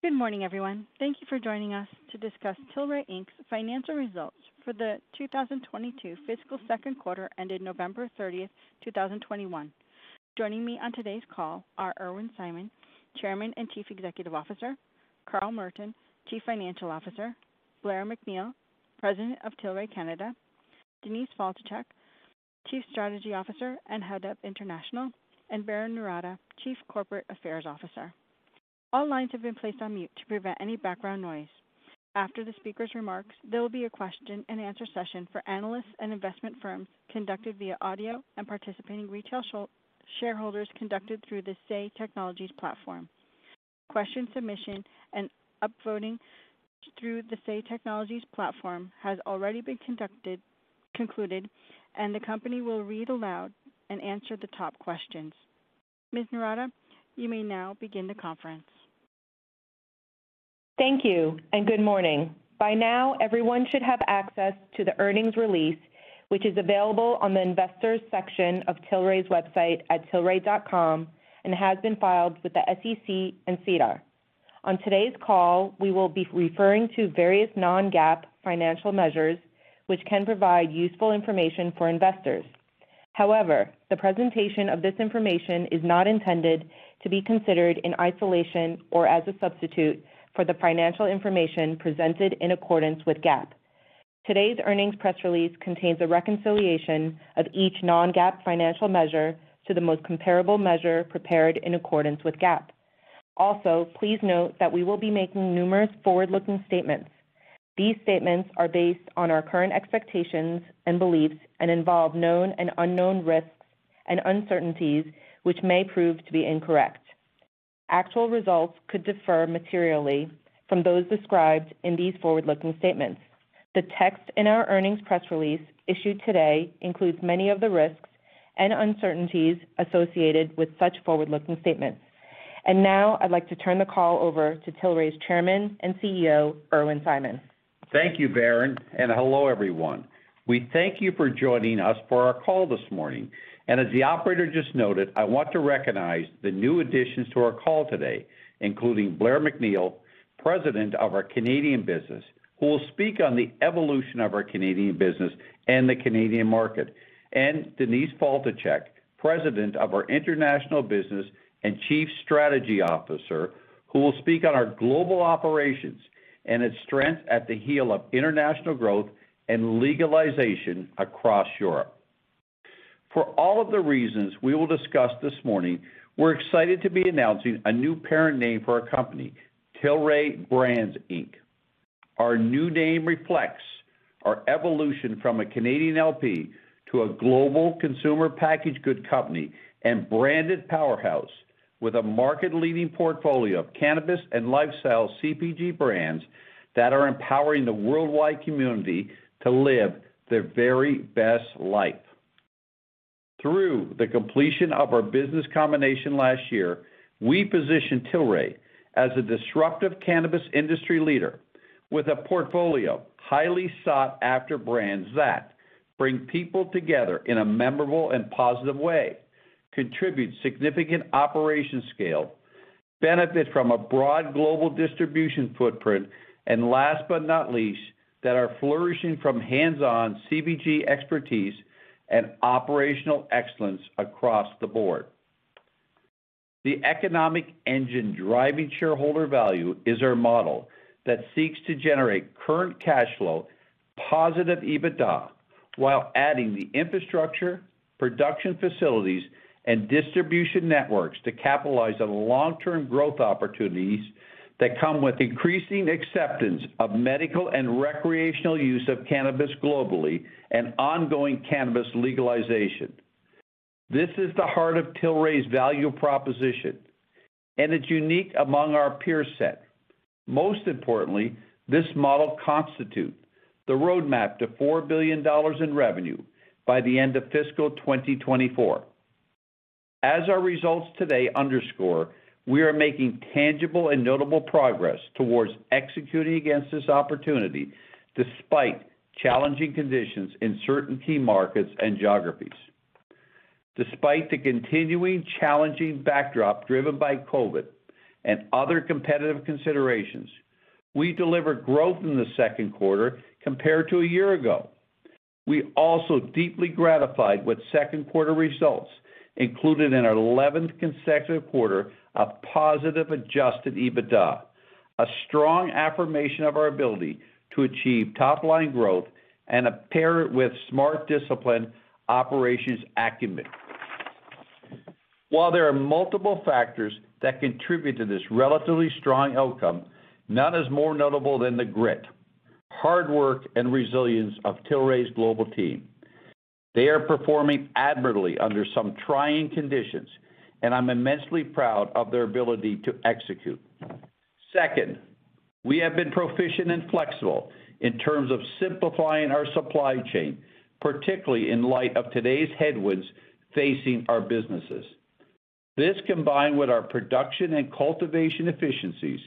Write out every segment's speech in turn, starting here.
Good morning, everyone. Thank you for joining us to discuss Tilray Inc.'s financial results for the 2022 fiscal second quarter ended November 30, 2021. Joining me on today's call are Irwin Simon, Chairman and Chief Executive Officer, Carl Merton, Chief Financial Officer, Blair MacNeil, President of Tilray Canada, Denise Faltischek, Chief Strategy Officer and Head of International, and Berrin Noorata, Chief Corporate Affairs Officer. All lines have been placed on mute to prevent any background noise. After the speaker's remarks, there will be a question and answer session for analysts and investment firms conducted via audio and participating retail shareholders conducted through the Say Technologies platform. Question submission and upvoting through the Say Technologies platform has already been concluded, and the company will read aloud and answer the top questions. Ms. Noorata, you may now begin the conference. Thank you and good morning. By now, everyone should have access to the earnings release, which is available on the investors section of Tilray's website at tilray.com and has been filed with the SEC and SEDAR. On today's call, we will be referring to various non-GAAP financial measures which can provide useful information for investors. However, the presentation of this information is not intended to be considered in isolation or as a substitute for the financial information presented in accordance with GAAP. Today's earnings press release contains a reconciliation of each non-GAAP financial measure to the most comparable measure prepared in accordance with GAAP. Also, please note that we will be making numerous forward-looking statements. These statements are based on our current expectations and beliefs and involve known and unknown risks and uncertainties which may prove to be incorrect. Actual results could differ materially from those described in these forward-looking statements. The text in our earnings press release issued today includes many of the risks and uncertainties associated with such forward-looking statements. Now, I'd like to turn the call over to Tilray's Chairman and CEO, Irwin Simon. Thank you, Berrin, and hello, everyone. We thank you for joining us for our call this morning. As the operator just noted, I want to recognize the new additions to our call today, including Blair MacNeil, President of our Canadian business, who will speak on the evolution of our Canadian business and the Canadian market. Denise Faltischek, President of our international business and Chief Strategy Officer, who will speak on our global operations and its strength on the heels of international growth and legalization across Europe. For all of the reasons we will discuss this morning, we're excited to be announcing a new parent name for our company, Tilray Brands, Inc. Our new name reflects our evolution from a Canadian LP to a global consumer packaged goods company and branded powerhouse with a market-leading portfolio of cannabis and lifestyle CPG brands that are empowering the worldwide community to live their very best life. Through the completion of our business combination last year, we positioned Tilray as a disruptive cannabis industry leader with a portfolio of highly sought-after brands that bring people together in a memorable and positive way, contribute significant operational scale, benefit from a broad global distribution footprint, and last but not least, that are flourishing from hands-on CPG expertise and operational excellence across the board. The economic engine driving shareholder value is our model that seeks to generate current cash flow, positive EBITDA, while adding the infrastructure, production facilities, and distribution networks to capitalize on long-term growth opportunities that come with increasing acceptance of medical and recreational use of cannabis globally and ongoing cannabis legalization. This is the heart of Tilray's value proposition, and it's unique among our peer set. Most importantly, this model constitute the roadmap to $4 billion in revenue by the end of fiscal 2024. As our results today underscore, we are making tangible and notable progress towards executing against this opportunity despite challenging conditions in certain key markets and geographies. Despite the continuing challenging backdrop driven by COVID and other competitive considerations, we delivered growth in the second quarter compared to a year ago. We are also deeply gratified with second quarter results included in our eleventh consecutive quarter of positive adjusted EBITDA, a strong affirmation of our ability to achieve top-line growth and pair it with smart, disciplined operations acumen. While there are multiple factors that contribute to this relatively strong outcome, none is more notable than the grit, hard work, and resilience of Tilray's global team. They are performing admirably under some trying conditions, and I'm immensely proud of their ability to execute. Second, we have been proficient and flexible in terms of simplifying our supply chain, particularly in light of today's headwinds facing our businesses. This, combined with our production and cultivation efficiencies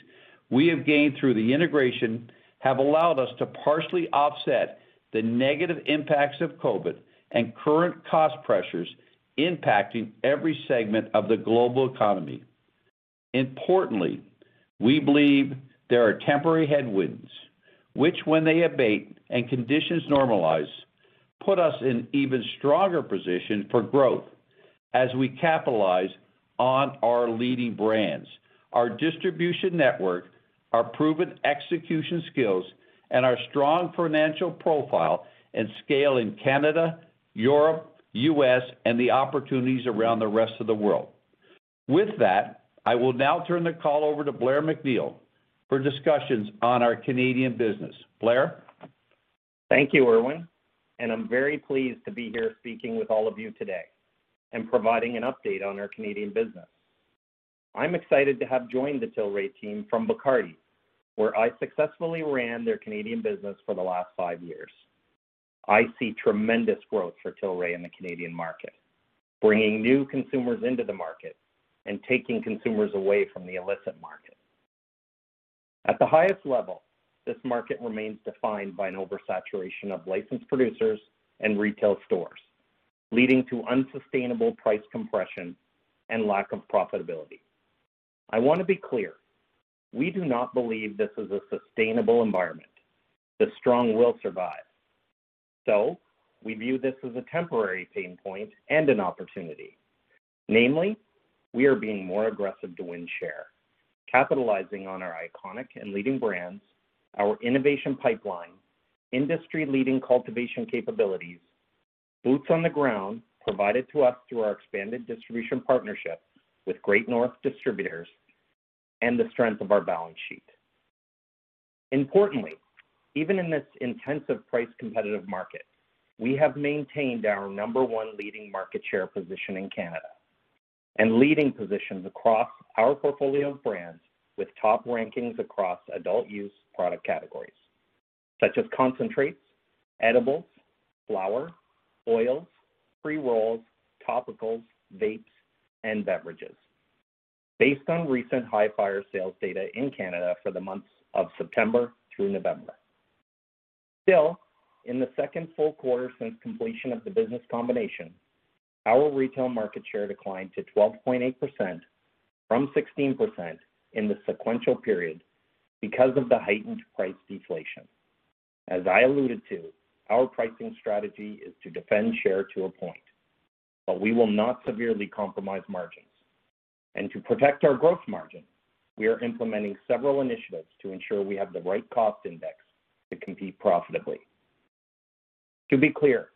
we have gained through the integration, have allowed us to partially offset the negative impacts of COVID and current cost pressures impacting every segment of the global economy. Importantly, we believe there are temporary headwinds which, when they abate and conditions normalize, put us in even stronger position for growth as we capitalize on our leading brands, our distribution network, our proven execution skills, and our strong financial profile and scale in Canada, Europe, U.S., and the opportunities around the rest of the world. With that, I will now turn the call over to Blair MacNeil for discussions on our Canadian business. Blair. Thank you, Irwin, and I'm very pleased to be here speaking with all of you today and providing an update on our Canadian business. I'm excited to have joined the Tilray team from Bacardi, where I successfully ran their Canadian business for the last five years. I see tremendous growth for Tilray in the Canadian market, bringing new consumers into the market and taking consumers away from the illicit market. At the highest level, this market remains defined by an oversaturation of licensed producers and retail stores, leading to unsustainable price compression and lack of profitability. I wanna be clear, we do not believe this is a sustainable environment. The strong will survive. We view this as a temporary pain point and an opportunity. Namely, we are being more aggressive to win share, capitalizing on our iconic and leading brands, our innovation pipeline, industry-leading cultivation capabilities, boots on the ground provided to us through our expanded distribution partnership with Great North Distributors, and the strength of our balance sheet. Importantly, even in this intensive price competitive market, we have maintained our number one leading market share position in Canada and leading positions across our portfolio of brands with top rankings across adult-use product categories such as concentrates, edibles, flower, oils, pre-rolls, topicals, vapes, and beverages based on recent Hifyre sales data in Canada for the months of September through November. Still, in the second full quarter since completion of the business combination, our retail market share declined to 12.8% from 16% in the sequential period because of the heightened price deflation. As I alluded to, our pricing strategy is to defend share to a point, but we will not severely compromise margins. To protect our growth margin, we are implementing several initiatives to ensure we have the right cost index to compete profitably. To be clear,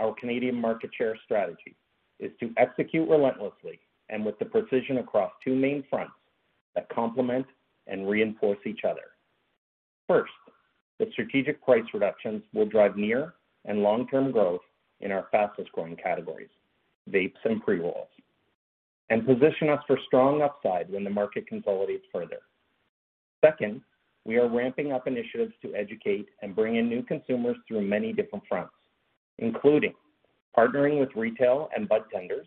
our Canadian market share strategy is to execute relentlessly and with the precision across two main fronts that complement and reinforce each other. First, the strategic price reductions will drive near and long-term growth in our fastest-growing categories, vapes and pre-rolls, and position us for strong upside when the market consolidates further. Second, we are ramping up initiatives to educate and bring in new consumers through many different fronts, including partnering with retail and budtenders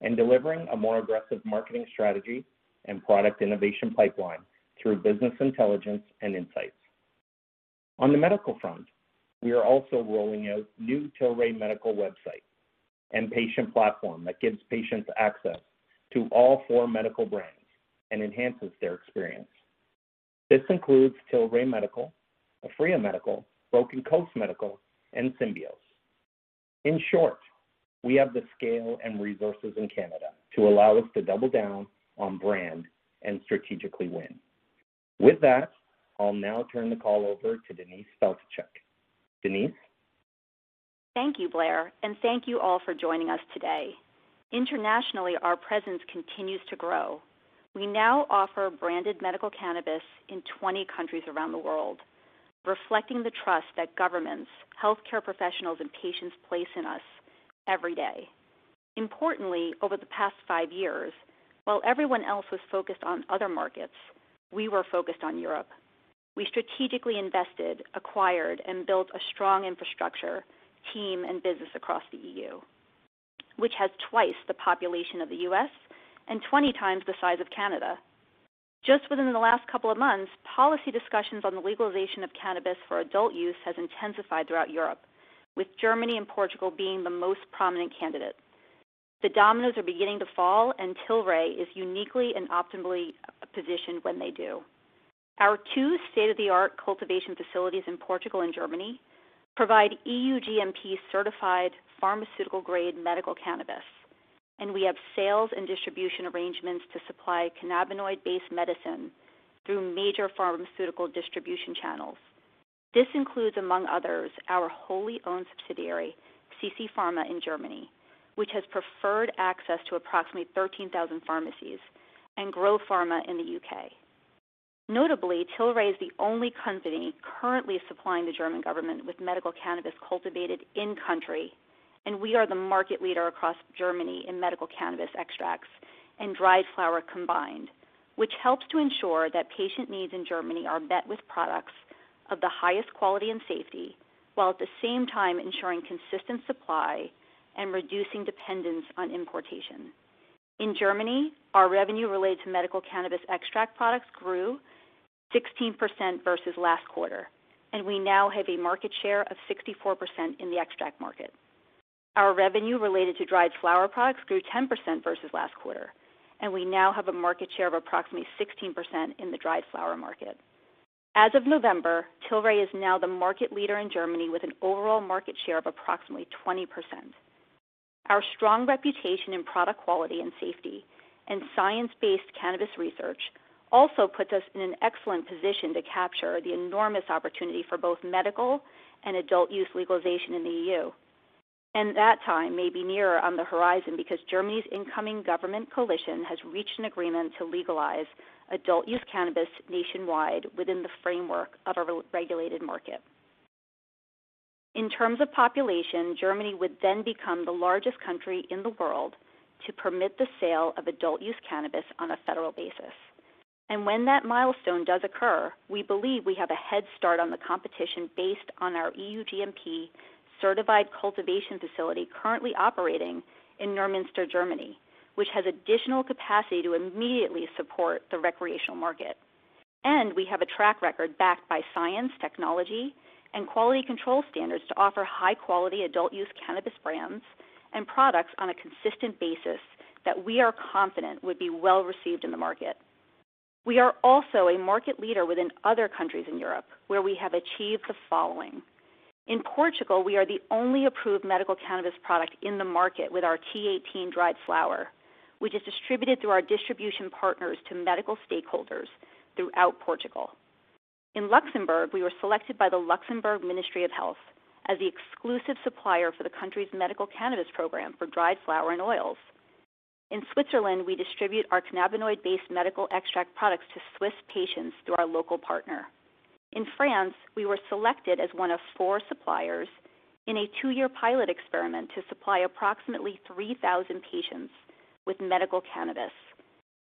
and delivering a more aggressive marketing strategy and product innovation pipeline through business intelligence and insights. On the medical front, we are also rolling out new Tilray Medical website and patient platform that gives patients access to all four medical brands and enhances their experience. This includes Tilray Medical, Aphria Medical, Broken Coast Medical, and Symbios. In short, we have the scale and resources in Canada to allow us to double down on brand and strategically win. With that, I'll now turn the call over to Denise Faltischek. Denise. Thank you, Blair, and thank you all for joining us today. Internationally, our presence continues to grow. We now offer branded medical cannabis in 20 countries around the world, reflecting the trust that governments, healthcare professionals, and patients place in us every day. Importantly, over the past five years, while everyone else was focused on other markets, we were focused on Europe. We strategically invested, acquired, and built a strong infrastructure, team, and business across the EU, which has twice the population of the U.S. and 20 times the size of Canada. Just within the last couple of months, policy discussions on the legalization of cannabis for adult use has intensified throughout Europe, with Germany and Portugal being the most prominent candidates. The dominoes are beginning to fall, and Tilray is uniquely and optimally positioned when they do. Our two state-of-the-art cultivation facilities in Portugal and Germany provide EU GMP certified pharmaceutical-grade medical cannabis, and we have sales and distribution arrangements to supply cannabinoid-based medicine through major pharmaceutical distribution channels. This includes, among others, our wholly owned subsidiary, CC Pharma in Germany, which has preferred access to approximately 13,000 pharmacies and Grow Pharma in the U.K. Notably, Tilray is the only company currently supplying the German government with medical cannabis cultivated in country, and we are the market leader across Germany in medical cannabis extracts and dried flower combined, which helps to ensure that patient needs in Germany are met with products of the highest quality and safety, while at the same time ensuring consistent supply and reducing dependence on importation. In Germany, our revenue related to medical cannabis extract products grew 16% versus last quarter, and we now have a market share of 64% in the extract market. Our revenue related to dried flower products grew 10% versus last quarter, and we now have a market share of approximately 16% in the dried flower market. As of November, Tilray is now the market leader in Germany with an overall market share of approximately 20%. Our strong reputation in product quality and safety and science-based cannabis research also puts us in an excellent position to capture the enormous opportunity for both medical and adult use legalization in the EU. That time may be nearer on the horizon because Germany's incoming government coalition has reached an agreement to legalize adult use cannabis nationwide within the framework of a re-regulated market. In terms of population, Germany would then become the largest country in the world to permit the sale of adult use cannabis on a federal basis. When that milestone does occur, we believe we have a head start on the competition based on our EU GMP certified cultivation facility currently operating in Neumünster, Germany, which has additional capacity to immediately support the recreational market. We have a track record backed by science, technology, and quality control standards to offer high-quality adult use cannabis brands and products on a consistent basis that we are confident would be well-received in the market. We are also a market leader within other countries in Europe, where we have achieved the following. In Portugal, we are the only approved medical cannabis product in the market with our T18 dried flower, which is distributed through our distribution partners to medical stakeholders throughout Portugal. In Luxembourg, we were selected by the Luxembourg Ministry of Health as the exclusive supplier for the country's medical cannabis program for dried flower and oils. In Switzerland, we distribute our cannabinoid-based medical extract products to Swiss patients through our local partner. In France, we were selected as one of four suppliers in a two-year pilot experiment to supply approximately 3,000 patients with medical cannabis.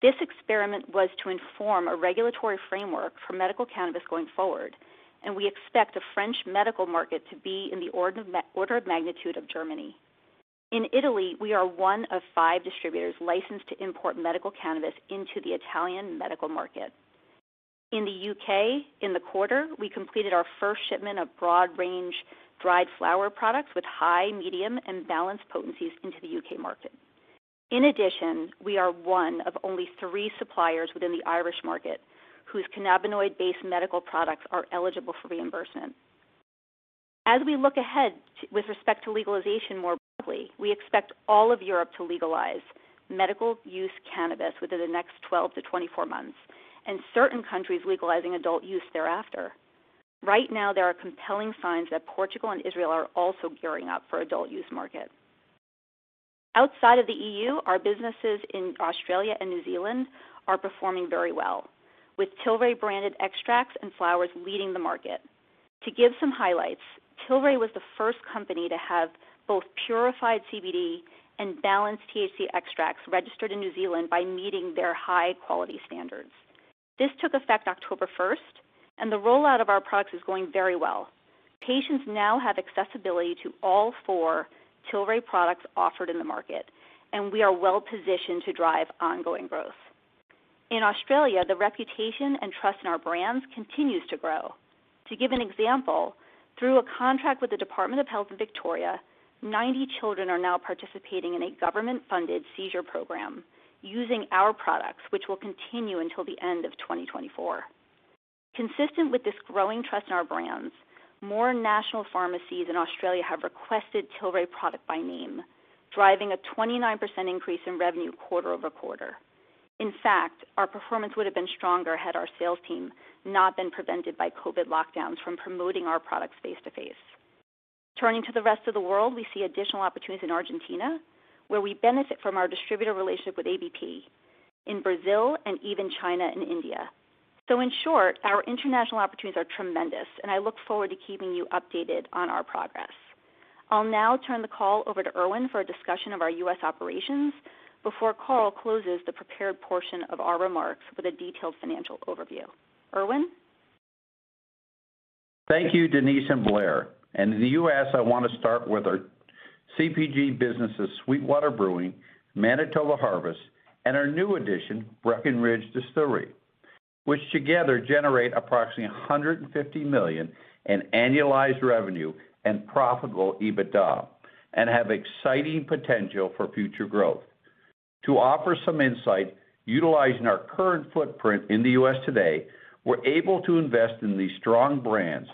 This experiment was to inform a regulatory framework for medical cannabis going forward, and we expect the French medical market to be in the order of magnitude of Germany. In Italy, we are one of five distributors licensed to import medical cannabis into the Italian medical market. In the U.K. in the quarter, we completed our first shipment of broad-range dried flower products with high, medium, and balanced potencies into the U.K. market. In addition, we are one of only three suppliers within the Irish market whose cannabinoid-based medical products are eligible for reimbursement. As we look ahead with respect to legalization more broadly, we expect all of Europe to legalize medical use cannabis within the next 12-24 months, and certain countries legalizing adult use thereafter. Right now, there are compelling signs that Portugal and Israel are also gearing up for adult use market. Outside of the E.U., our businesses in Australia and New Zealand are performing very well, with Tilray-branded extracts and flowers leading the market. To give some highlights, Tilray was the first company to have both purified CBD and balanced THC extracts registered in New Zealand by meeting their high quality standards. This took effect October 1, and the rollout of our products is going very well. Patients now have accessibility to all four Tilray products offered in the market, and we are well-positioned to drive ongoing growth. In Australia, the reputation and trust in our brands continues to grow. To give an example, through a contract with the Department of Health in Victoria, 90 children are now participating in a government-funded seizure program using our products, which will continue until the end of 2024. Consistent with this growing trust in our brands, more national pharmacies in Australia have requested Tilray product by name, driving a 29% increase in revenue quarter-over-quarter. In fact, our performance would have been stronger had our sales team not been prevented by COVID lockdowns from promoting our products face-to-face. Turning to the rest of the world, we see additional opportunities in Argentina, where we benefit from our distributor relationship with ABP, in Brazil, and even China and India. In short, our international opportunities are tremendous, and I look forward to keeping you updated on our progress. I'll now turn the call over to Irwin for a discussion of our U.S. operations before Carl closes the prepared portion of our remarks with a detailed financial overview. Irwin? Thank you, Denise and Blair. In the U.S., I want to start with our CPG businesses, SweetWater Brewing, Manitoba Harvest, and our new addition, Breckenridge Distillery, which together generate approximately $150 million in annualized revenue and profitable EBITDA, and have exciting potential for future growth. To offer some insight, utilizing our current footprint in the U.S. today, we're able to invest in these strong brands,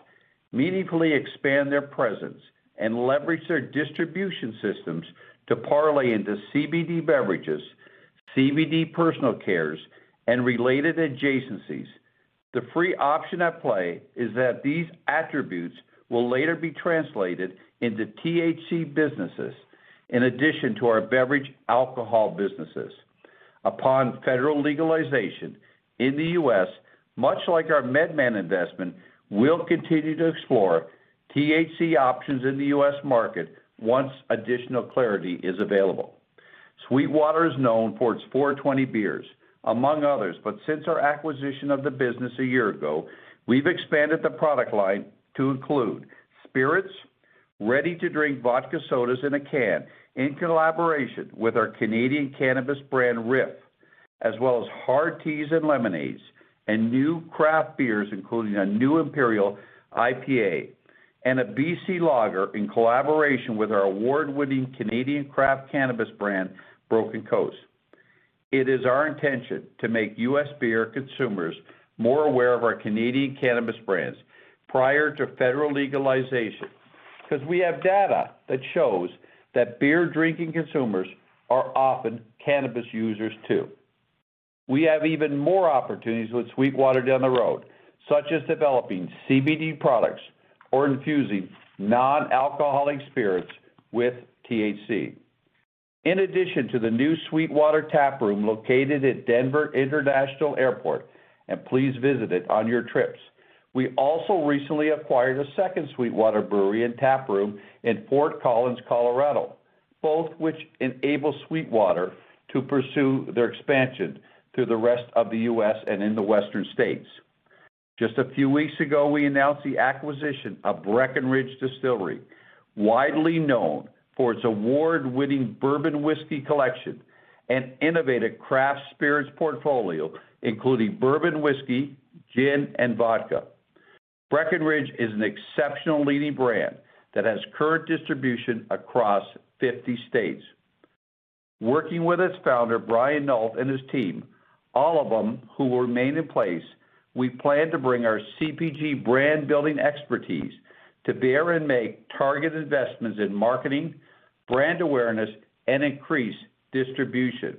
meaningfully expand their presence, and leverage their distribution systems to parlay into CBD beverages, CBD personal care, and related adjacencies. The free option at play is that these attributes will later be translated into THC businesses in addition to our beverage alcohol businesses. Upon federal legalization in the U.S., much like our MedMen investment, we'll continue to explore THC options in the U.S. market once additional clarity is available. SweetWater is known for its 420 beers, among others. Since our acquisition of the business a year ago, we've expanded the product line to include spirits, ready-to-drink vodka sodas in a can, in collaboration with our Canadian cannabis brand, RIFF, as well as hard teas and lemonades and new craft beers, including a new Imperial IPA, and a B.C. lager in collaboration with our award-winning Canadian craft cannabis brand, Broken Coast. It is our intention to make U.S. beer consumers more aware of our Canadian cannabis brands prior to federal legalization because we have data that shows that beer-drinking consumers are often cannabis users too. We have even more opportunities with SweetWater down the road, such as developing CBD products or infusing non-alcoholic spirits with THC. In addition to the new SweetWater Taproom located at Denver International Airport, and please visit it on your trips, we also recently acquired a second SweetWater brewery and taproom in Fort Collins, Colorado, both which enable SweetWater to pursue their expansion to the rest of the U.S. and in the Western states. Just a few weeks ago, we announced the acquisition of Breckenridge Distillery, widely known for its award-winning bourbon whiskey collection and innovative craft spirits portfolio, including bourbon whiskey, gin, and vodka. Breckenridge is an exceptional leading brand that has current distribution across 50 states. Working with its founder, Bryan Nolt, and his team, all of them who will remain in place, we plan to bring our CPG brand-building expertise to bear and make targeted investments in marketing, brand awareness, and increase distribution.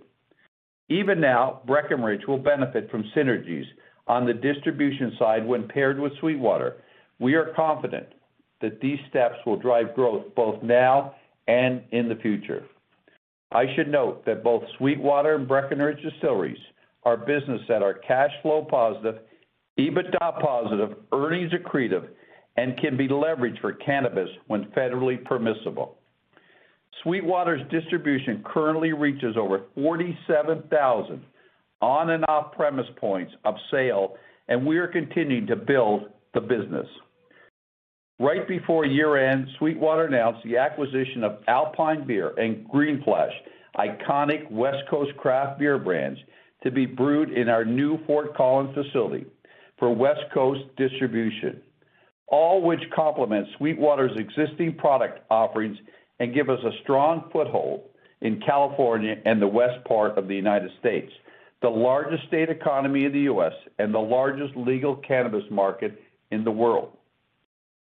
Even now, Breckenridge will benefit from synergies on the distribution side when paired with SweetWater. We are confident that these steps will drive growth both now and in the future. I should note that both SweetWater and Breckenridge Distillery are business that are cash flow positive, EBITDA positive, earnings accretive, and can be leveraged for cannabis when federally permissible. SweetWater's distribution currently reaches over 47,000 on and off-premise points of sale, and we are continuing to build the business. Right before year-end, SweetWater announced the acquisition of Alpine Beer and Green Flash, iconic West Coast craft beer brands to be brewed in our new Fort Collins facility for West Coast distribution, all which complement SweetWater's existing product offerings and give us a strong foothold in California and the west part of the United States, the largest state economy in the U.S. and the largest legal cannabis market in the world.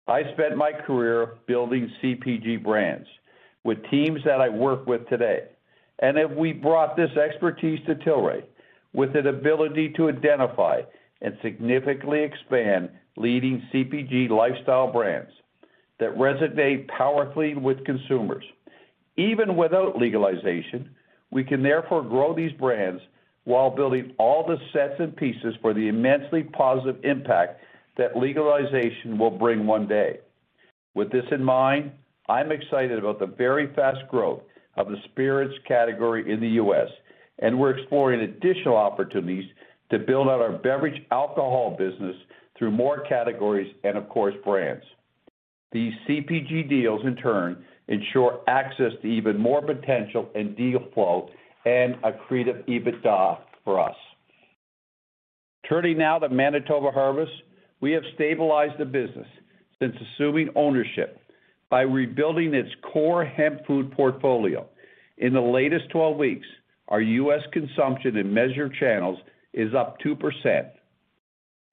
I spent my career building CPG brands with teams that I work with today, and we have brought this expertise to Tilray with an ability to identify and significantly expand leading CPG lifestyle brands that resonate powerfully with consumers. Even without legalization, we can therefore grow these brands while building all the assets and pieces for the immensely positive impact that legalization will bring one day. With this in mind, I'm excited about the very fast growth of the spirits category in the U.S., and we're exploring additional opportunities to build out our beverage alcohol business through more categories and of course, brands. These CPG deals, in turn, ensure access to even more potential and deal flow and accretive EBITDA for us. Turning now to Manitoba Harvest, we have stabilized the business since assuming ownership by rebuilding its core hemp food portfolio. In the latest 12 weeks, our U.S. consumption in measured channels is up 2%.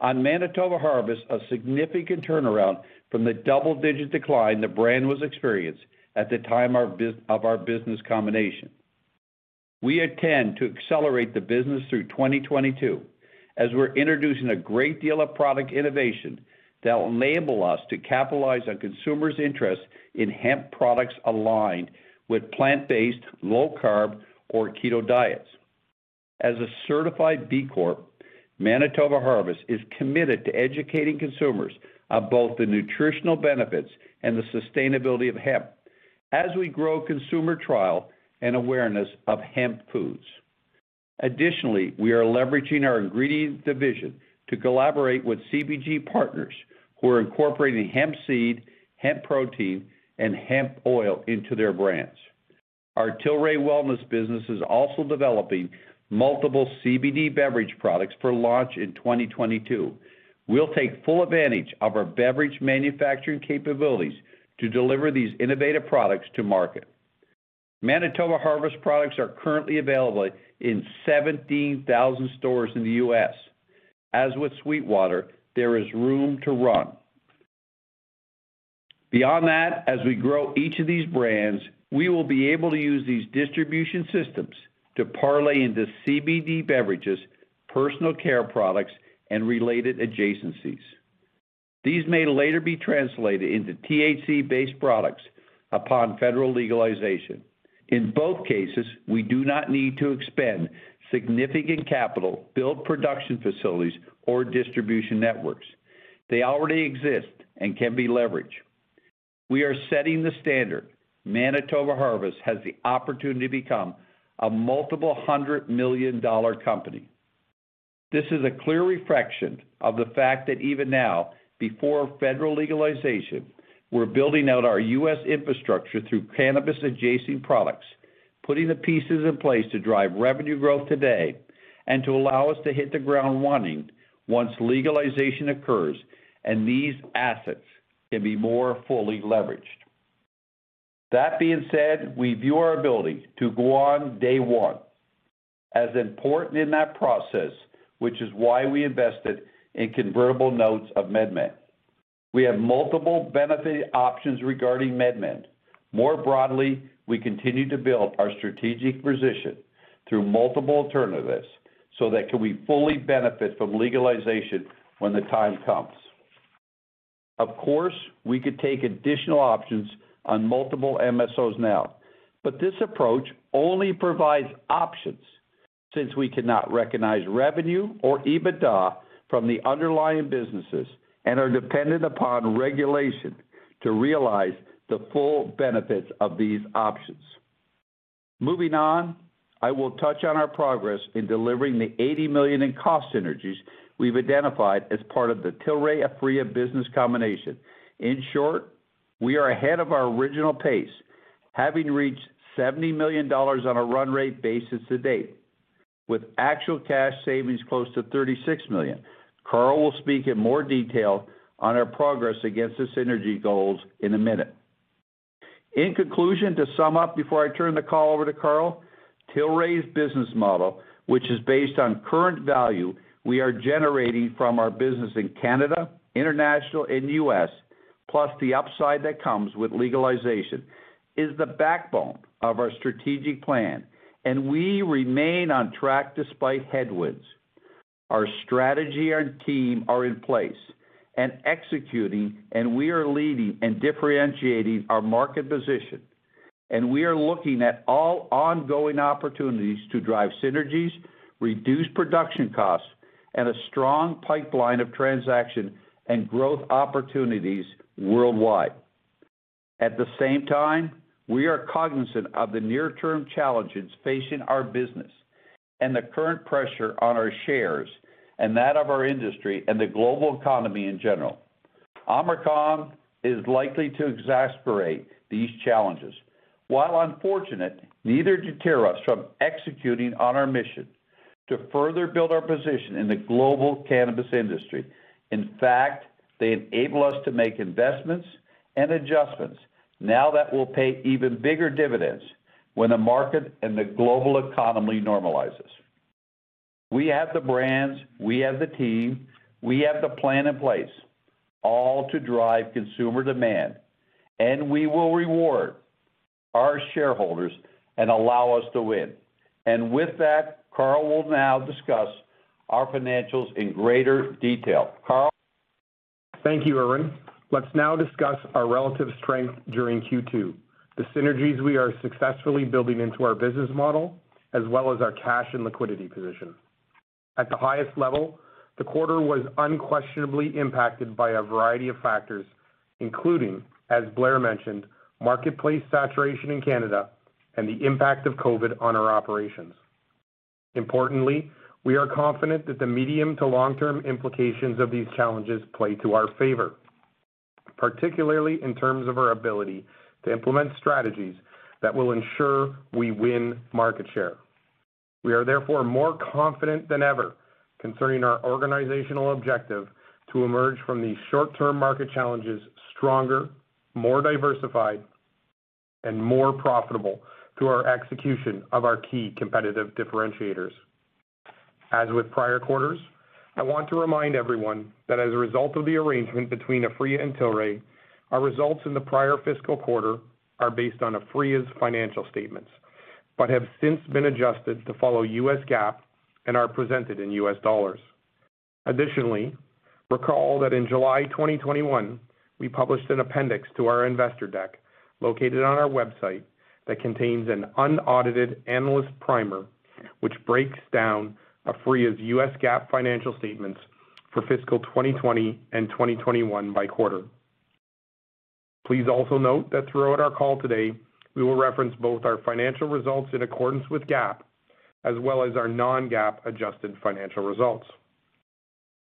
On Manitoba Harvest, a significant turnaround from the double-digit decline the brand was experiencing at the time of our business combination. We intend to accelerate the business through 2022 as we're introducing a great deal of product innovation that will enable us to capitalize on consumers' interest in hemp products aligned with plant-based, low-carb, or keto diets. As a certified B Corp, Manitoba Harvest is committed to educating consumers on both the nutritional benefits and the sustainability of hemp as we grow consumer trial and awareness of hemp foods. Additionally, we are leveraging our ingredients division to collaborate with CPG partners who are incorporating hemp seed, hemp protein, and hemp oil into their brands. Our Tilray Wellness business is also developing multiple CBD beverage products for launch in 2022. We'll take full advantage of our beverage manufacturing capabilities to deliver these innovative products to market. Manitoba Harvest products are currently available in 17,000 stores in the U.S. As with SweetWater, there is room to run. Beyond that, as we grow each of these brands, we will be able to use these distribution systems to parlay into CBD beverages, personal care products, and related adjacencies. These may later be translated into THC-based products upon federal legalization. In both cases, we do not need to expend significant capital, build production facilities, or distribution networks. They already exist and can be leveraged. We are setting the standard. Manitoba Harvest has the opportunity to become a multiple hundred million dollar company. This is a clear reflection of the fact that even now, before federal legalization, we're building out our U.S. infrastructure through cannabis adjacent products, putting the pieces in place to drive revenue growth today and to allow us to hit the ground running once legalization occurs and these assets can be more fully leveraged. That being said, we view our ability to go on day one as important in that process, which is why we invested in convertible notes in MedMen. We have multiple benefit options regarding MedMen. More broadly, we continue to build our strategic position through multiple alternatives so that we can fully benefit from legalization when the time comes. Of course, we could take additional options on multiple MSOs now, but this approach only provides options since we cannot recognize revenue or EBITDA from the underlying businesses and are dependent upon regulation to realize the full benefits of these options. Moving on, I will touch on our progress in delivering the $80 million in cost synergies we've identified as part of the Tilray-Aphria business combination. In short, we are ahead of our original pace, having reached $70 million on a run-rate basis to date, with actual cash savings close to $36 million. Carl will speak in more detail on our progress against the synergy goals in a minute. In conclusion, to sum up before I turn the call over to Carl, Tilray's business model, which is based on current value we are generating from our business in Canada, international, and U.S., plus the upside that comes with legalization, is the backbone of our strategic plan, and we remain on track despite headwinds. Our strategy and team are in place and executing, and we are leading and differentiating our market position, and we are looking at all ongoing opportunities to drive synergies, reduce production costs, and a strong pipeline of transaction and growth opportunities worldwide. At the same time, we are cognizant of the near-term challenges facing our business and the current pressure on our shares and that of our industry and the global economy in general. Omicron is likely to exacerbate these challenges. While unfortunate, neither deter us from executing on our mission to further build our position in the global cannabis industry. In fact, they enable us to make investments and adjustments now that will pay even bigger dividends when the market and the global economy normalizes. We have the brands, we have the team, we have the plan in place, all to drive consumer demand, and we will reward our shareholders and allow us to win. With that, Carl will now discuss our financials in greater detail. Carl? Thank you, Irwin. Let's now discuss our relative strength during Q2, the synergies we are successfully building into our business model, as well as our cash and liquidity position. At the highest level, the quarter was unquestionably impacted by a variety of factors, including, as Blair mentioned, marketplace saturation in Canada and the impact of COVID on our operations. Importantly, we are confident that the medium to long-term implications of these challenges play to our favor, particularly in terms of our ability to implement strategies that will ensure we win market share. We are therefore more confident than ever concerning our organizational objective to emerge from these short-term market challenges stronger, more diversified, and more profitable through our execution of our key competitive differentiators. As with prior quarters, I want to remind everyone that as a result of the arrangement between Aphria and Tilray, our results in the prior fiscal quarter are based on Aphria's financial statements, but have since been adjusted to follow U.S. GAAP and are presented in U.S. dollars. Additionally, recall that in July 2021, we published an appendix to our investor deck located on our website that contains an unaudited analyst primer, which breaks down Aphria's U.S. GAAP financial statements for fiscal 2020 and 2021 by quarter. Please also note that throughout our call today, we will reference both our financial results in accordance with GAAP as well as our non-GAAP adjusted financial results.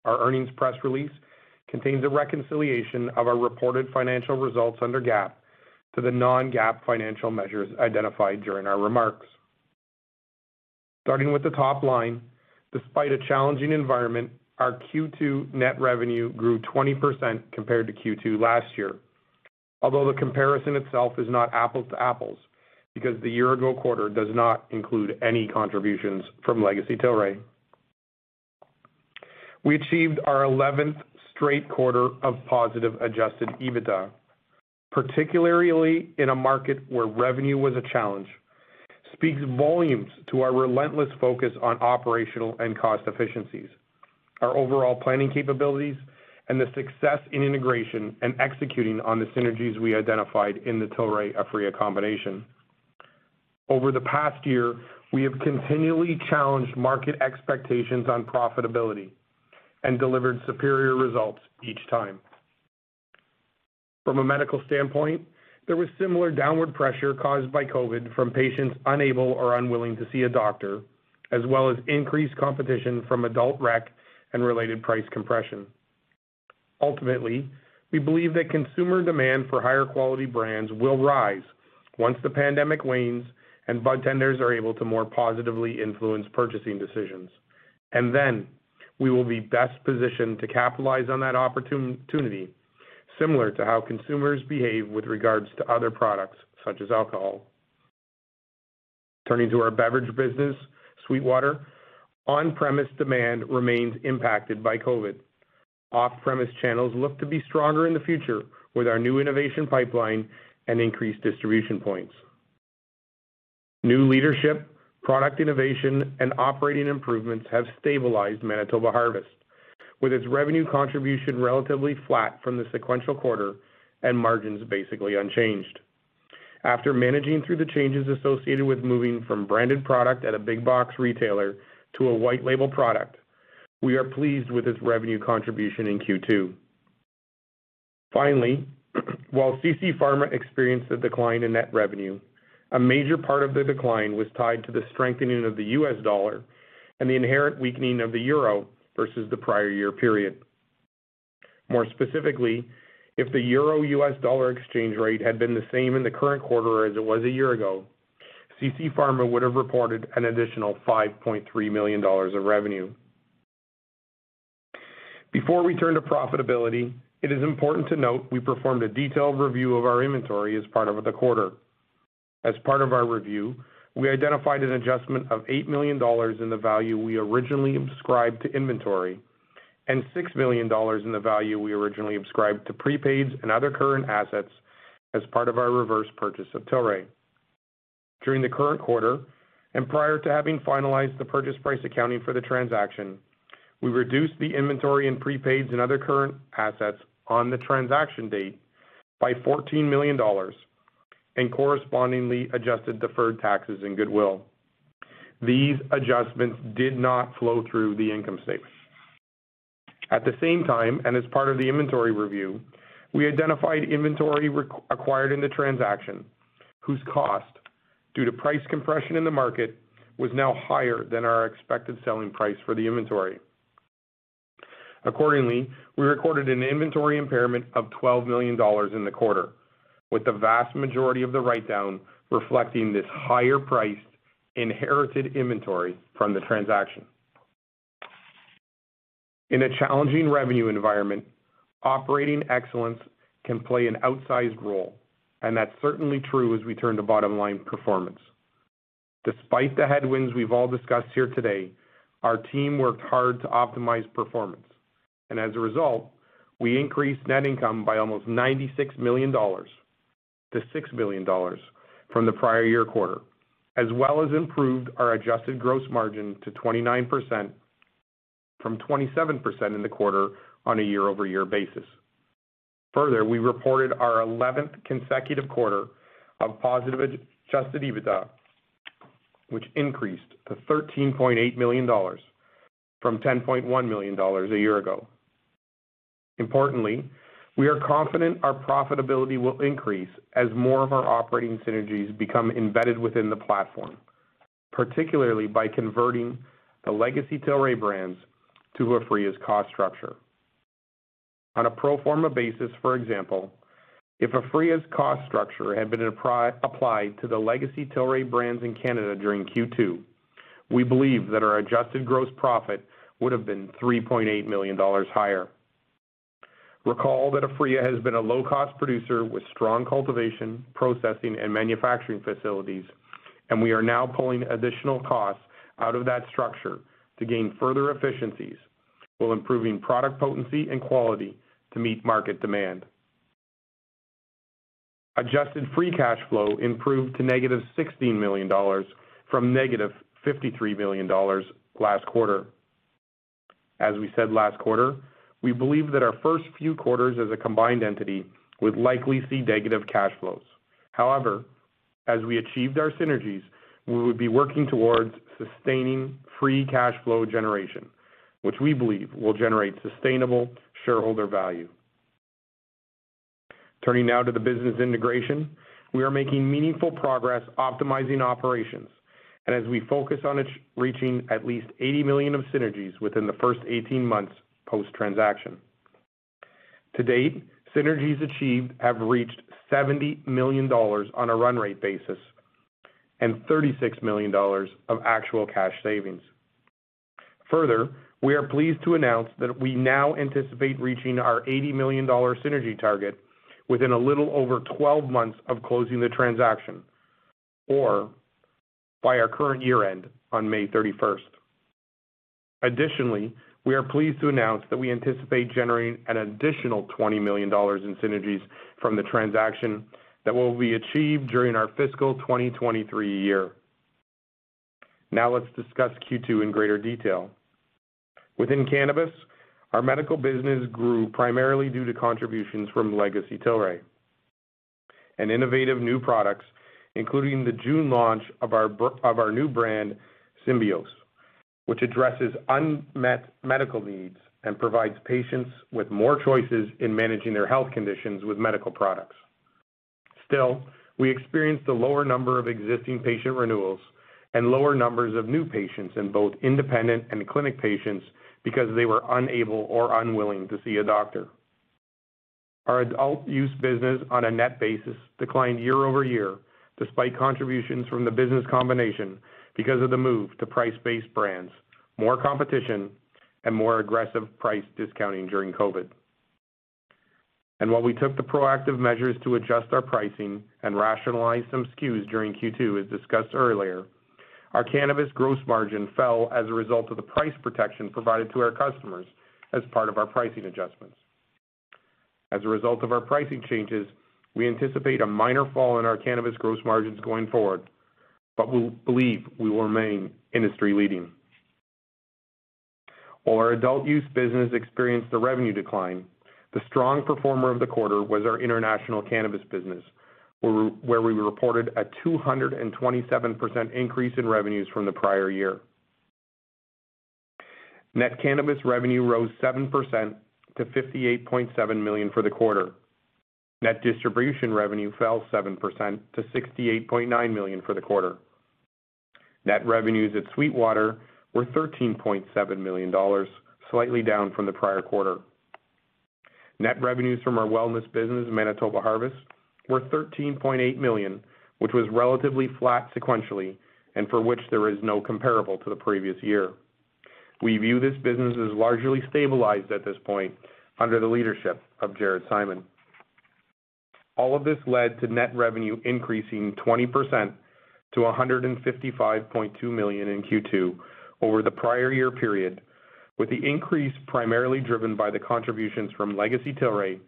Our earnings press release contains a reconciliation of our reported financial results under GAAP to the non-GAAP financial measures identified during our remarks. Starting with the top line, despite a challenging environment, our Q2 net revenue grew 20% compared to Q2 last year. Although the comparison itself is not apples to apples, because the year-ago quarter does not include any contributions from legacy Tilray. We achieved our eleventh straight quarter of positive adjusted EBITDA, particularly in a market where revenue was a challenge, speaks volumes to our relentless focus on operational and cost efficiencies, our overall planning capabilities, and the success in integration and executing on the synergies we identified in the Tilray Aphria combination. Over the past year, we have continually challenged market expectations on profitability and delivered superior results each time. From a medical standpoint, there was similar downward pressure caused by COVID from patients unable or unwilling to see a doctor, as well as increased competition from adult rec and related price compression. Ultimately, we believe that consumer demand for higher quality brands will rise once the pandemic wanes and budtenders are able to more positively influence purchasing decisions. We will be best positioned to capitalize on that opportunity, similar to how consumers behave with regards to other products such as alcohol. Turning to our beverage business, SweetWater, on-premise demand remains impacted by COVID. Off-premise channels look to be stronger in the future with our new innovation pipeline and increased distribution points. New leadership, product innovation, and operating improvements have stabilized Manitoba Harvest, with its revenue contribution relatively flat from the sequential quarter and margins basically unchanged. After managing through the changes associated with moving from branded product at a big box retailer to a white label product, we are pleased with its revenue contribution in Q2. Finally, while CC Pharma experienced a decline in net revenue, a major part of the decline was tied to the strengthening of the U.S. dollar and the inherent weakening of the euro versus the prior year period. More specifically, if the euro/U.S. dollar exchange rate had been the same in the current quarter as it was a year ago, CC Pharma would have reported an additional $5.3 million of revenue. Before we turn to profitability, it is important to note we performed a detailed review of our inventory as part of the quarter. As part of our review, we identified an adjustment of $8 million in the value we originally ascribed to inventory and $6 million in the value we originally ascribed to prepaids and other current assets as part of our reverse purchase of Tilray. During the current quarter, and prior to having finalized the purchase price accounting for the transaction, we reduced the inventory and prepaids and other current assets on the transaction date by $14 million and correspondingly adjusted deferred taxes and goodwill. These adjustments did not flow through the income statement. At the same time, and as part of the inventory review, we identified inventory acquired in the transaction whose cost, due to price compression in the market, was now higher than our expected selling price for the inventory. Accordingly, we recorded an inventory impairment of $12 million in the quarter, with the vast majority of the write-down reflecting this higher-priced inherited inventory from the transaction. In a challenging revenue environment, operating excellence can play an outsized role, and that's certainly true as we turn to bottom-line performance. Despite the headwinds we've all discussed here today, our team worked hard to optimize performance. As a result, we increased net income by almost $96 million to $6 million from the prior year quarter, as well as improved our adjusted gross margin to 29% from 27% in the quarter on a year-over-year basis. Further, we reported our 11th consecutive quarter of positive adjusted EBITDA, which increased to $13.8 million from $10.1 million a year ago. Importantly, we are confident our profitability will increase as more of our operating synergies become embedded within the platform, particularly by converting the legacy Tilray brands to Aphria's cost structure. On a pro forma basis, for example, if Aphria's cost structure had been applied to the legacy Tilray brands in Canada during Q2, we believe that our adjusted gross profit would have been $3.8 million higher. Recall that Aphria has been a low-cost producer with strong cultivation, processing, and manufacturing facilities, and we are now pulling additional costs out of that structure to gain further efficiencies while improving product potency and quality to meet market demand. Adjusted free cash flow improved to -$16 million from -$53 million last quarter. As we said last quarter, we believe that our first few quarters as a combined entity would likely see negative cash flows. However, as we achieved our synergies, we would be working towards sustaining free cash flow generation, which we believe will generate sustainable shareholder value. Turning now to the business integration. We are making meaningful progress optimizing operations, and as we focus on reaching at least $80 million of synergies within the first 18 months post-transaction. To date, synergies achieved have reached $70 million on a run rate basis and $36 million of actual cash savings. Further, we are pleased to announce that we now anticipate reaching our $80 million synergy target within a little over 12 months of closing the transaction, or by our current year-end on May 31. Additionally, we are pleased to announce that we anticipate generating an additional $20 million in synergies from the transaction that will be achieved during our fiscal 2023. Now let's discuss Q2 in greater detail. Within cannabis, our medical business grew primarily due to contributions from legacy Tilray and innovative new products, including the June launch of our new brand, Symbios, which addresses unmet medical needs and provides patients with more choices in managing their health conditions with medical products. Still, we experienced a lower number of existing patient renewals and lower numbers of new patients in both independent and clinic patients because they were unable or unwilling to see a doctor. Our adult use business on a net basis declined year-over-year despite contributions from the business combination because of the move to price-based brands, more competition, and more aggressive price discounting during COVID. While we took the proactive measures to adjust our pricing and rationalize some SKUs during Q2 as discussed earlier, our cannabis gross margin fell as a result of the price protection provided to our customers as part of our pricing adjustments. As a result of our pricing changes, we anticipate a minor fall in our cannabis gross margins going forward, but we believe we will remain industry-leading. While our adult use business experienced a revenue decline, the strong performer of the quarter was our international cannabis business, where we reported a 227% increase in revenues from the prior year. Net cannabis revenue rose 7% to $58.7 million for the quarter. Net distribution revenue fell 7% to $68.9 million for the quarter. Net revenues at SweetWater were $13.7 million, slightly down from the prior quarter. Net revenues from our wellness business, Manitoba Harvest, were $13.8 million, which was relatively flat sequentially, and for which there is no comparable to the previous year. We view this business as largely stabilized at this point under the leadership of Jared Simon. All of this led to net revenue increasing 20% to $155.2 million in Q2 over the prior year period, with the increase primarily driven by the contributions from legacy Tilray,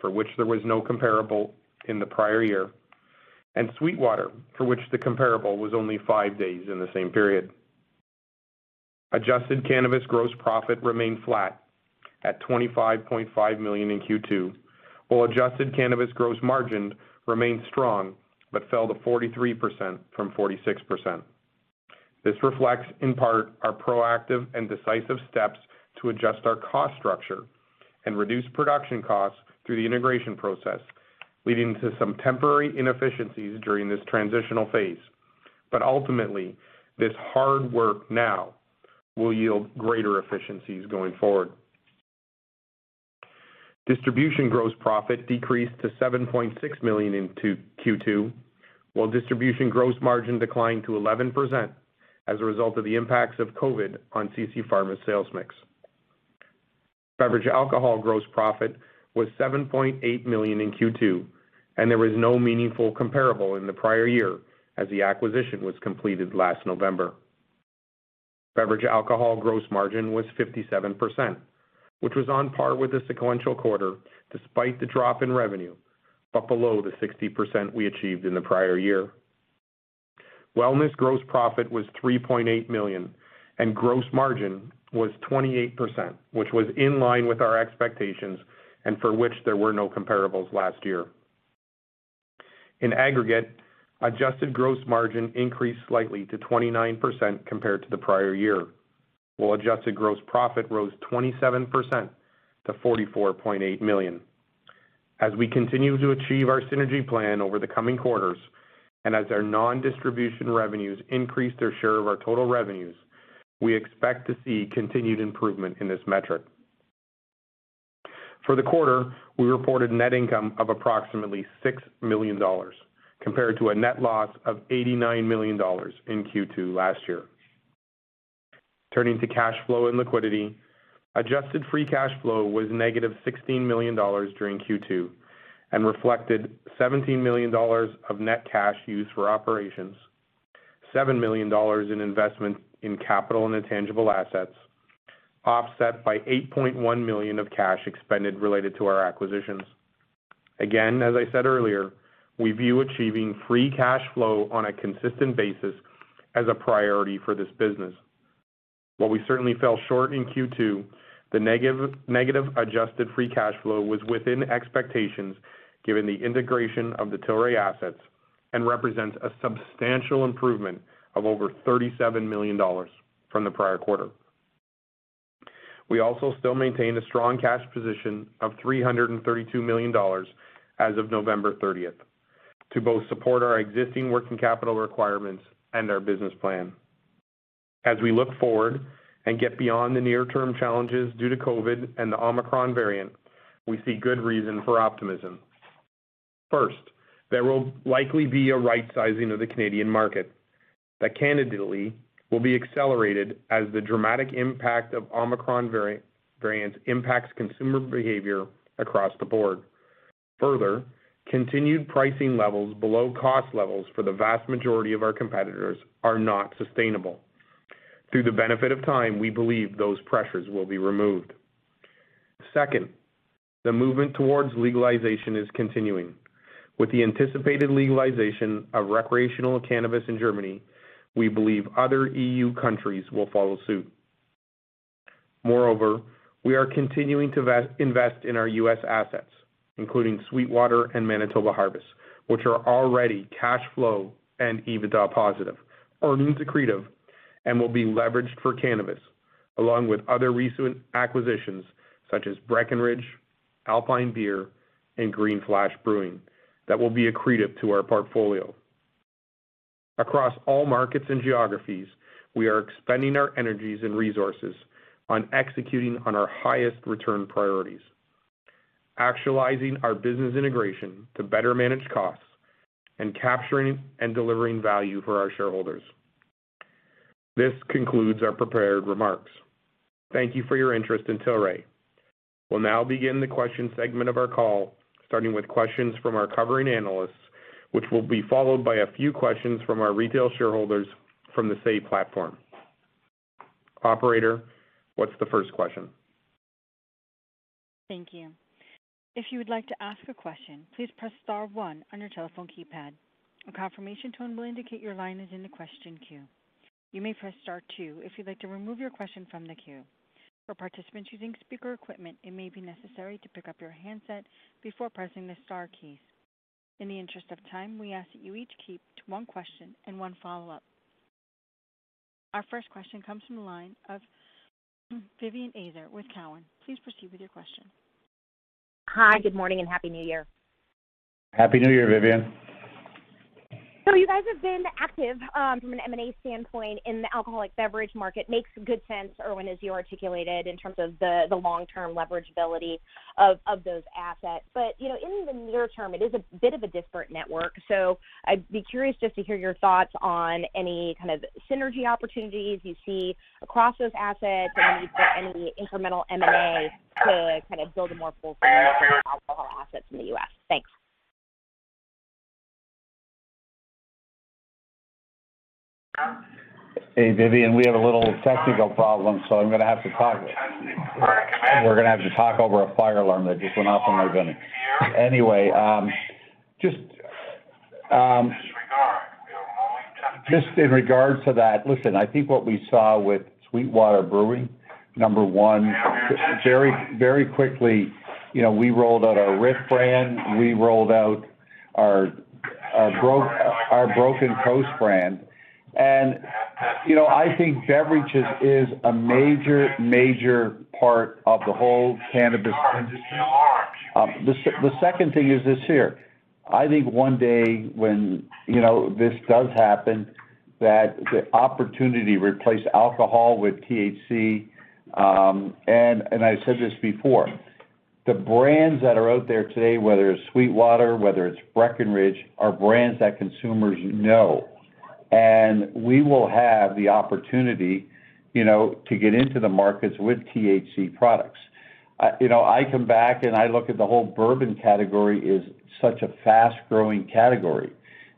for which there was no comparable in the prior year, and SweetWater, for which the comparable was only five days in the same period. Adjusted cannabis gross profit remained flat at $25.5 million in Q2, while adjusted cannabis gross margin remained strong but fell to 43% from 46%. This reflects in part our proactive and decisive steps to adjust our cost structure and reduce production costs through the integration process, leading to some temporary inefficiencies during this transitional phase. Ultimately, this hard work now will yield greater efficiencies going forward. Distribution gross profit decreased to $7.6 million in Q2, while distribution gross margin declined to 11% as a result of the impacts of COVID on CC Pharma's sales mix. Beverage alcohol gross profit was $7.8 million in Q2, and there was no meaningful comparable in the prior year as the acquisition was completed last November. Beverage alcohol gross margin was 57%, which was on par with the sequential quarter despite the drop in revenue, but below the 60% we achieved in the prior year. Wellness gross profit was $3.8 million, and gross margin was 28%, which was in line with our expectations and for which there were no comparables last year. In aggregate, adjusted gross margin increased slightly to 29% compared to the prior year, while adjusted gross profit rose 27% to $44.8 million. As we continue to achieve our synergy plan over the coming quarters, and as our non-distribution revenues increase their share of our total revenues, we expect to see continued improvement in this metric. For the quarter, we reported net income of approximately $6 million compared to a net loss of $89 million in Q2 last year. Turning to cash flow and liquidity, adjusted free cash flow was -$16 million during Q2 and reflected $17 million of net cash used for operations, $7 million in investment in capital and intangible assets, offset by $8.1 million of cash expended related to our acquisitions. Again, as I said earlier, we view achieving free cash flow on a consistent basis as a priority for this business. While we certainly fell short in Q2, the negative adjusted free cash flow was within expectations given the integration of the Tilray assets and represents a substantial improvement of over $37 million from the prior quarter. We also still maintain a strong cash position of $332 million as of November 30th to both support our existing working capital requirements and our business plan. As we look forward and get beyond the near term challenges due to COVID and the Omicron variant, we see good reason for optimism. First, there will likely be a right sizing of the Canadian market that candidly will be accelerated as the dramatic impact of Omicron variant impacts consumer behavior across the board. Further, continued pricing levels below cost levels for the vast majority of our competitors are not sustainable. Through the benefit of time, we believe those pressures will be removed. Second, the movement towards legalization is continuing. With the anticipated legalization of recreational cannabis in Germany, we believe other EU countries will follow suit. Moreover, we are continuing to invest in our U.S. assets, including SweetWater and Manitoba Harvest, which are already cash flow and EBITDA positive, earning accretive, and will be leveraged for cannabis, along with other recent acquisitions such as Breckenridge, Alpine Beer, and Green Flash Brewing that will be accretive to our portfolio. Across all markets and geographies, we are expending our energies and resources on executing on our highest return priorities, actualizing our business integration to better manage costs, and capturing and delivering value for our shareholders. This concludes our prepared remarks. Thank you for your interest in Tilray. We'll now begin the question segment of our call, starting with questions from our covering analysts, which will be followed by a few questions from our retail shareholders from the SAY platform. Operator, what's the first question? Thank you. If you would like to ask a question, please press star one on your telephone keypad. A confirmation tone will indicate your line is in the question queue. You may press star two if you'd like to remove your question from the queue. For participants using speaker equipment, it may be necessary to pick up your handset before pressing the star keys. In the interest of time, we ask that you each keep to one question and one follow-up. Our first question comes from the line of Vivien Azer with Cowen. Please proceed with your question. Hi, good morning and Happy New Year. Happy New Year, Vivien. You guys have been active from an M&A standpoint in the alcoholic beverage market. Makes good sense as you articulated in terms of the long-term leverageability of those assets. You know, in the near term, it is a bit of a different network. I'd be curious just to hear your thoughts on any kind of synergy opportunities you see across those assets and any incremental M&A to kind of build a more full alcohol assets in the U.S. Thanks. Hey, Vivien, we have a little technical problem, so I'm gonna have to talk. We're gonna have to talk over a fire alarm that just went off in my building. Anyway, just in regards to that, listen, I think what we saw with SweetWater Brewing, number one, very quickly, you know, we rolled out our RIFF brand, we rolled out our Broken Coast brand. You know, I think beverages is a major part of the whole cannabis industry. The second thing is this here. I think one day when, you know, this does happen, that the opportunity to replace alcohol with THC, and I said this before, the brands that are out there today, whether it's SweetWater, whether it's Breckenridge, are brands that consumers know. We will have the opportunity, you know, to get into the markets with THC products. You know, I come back and I look at the whole bourbon category is such a fast-growing category.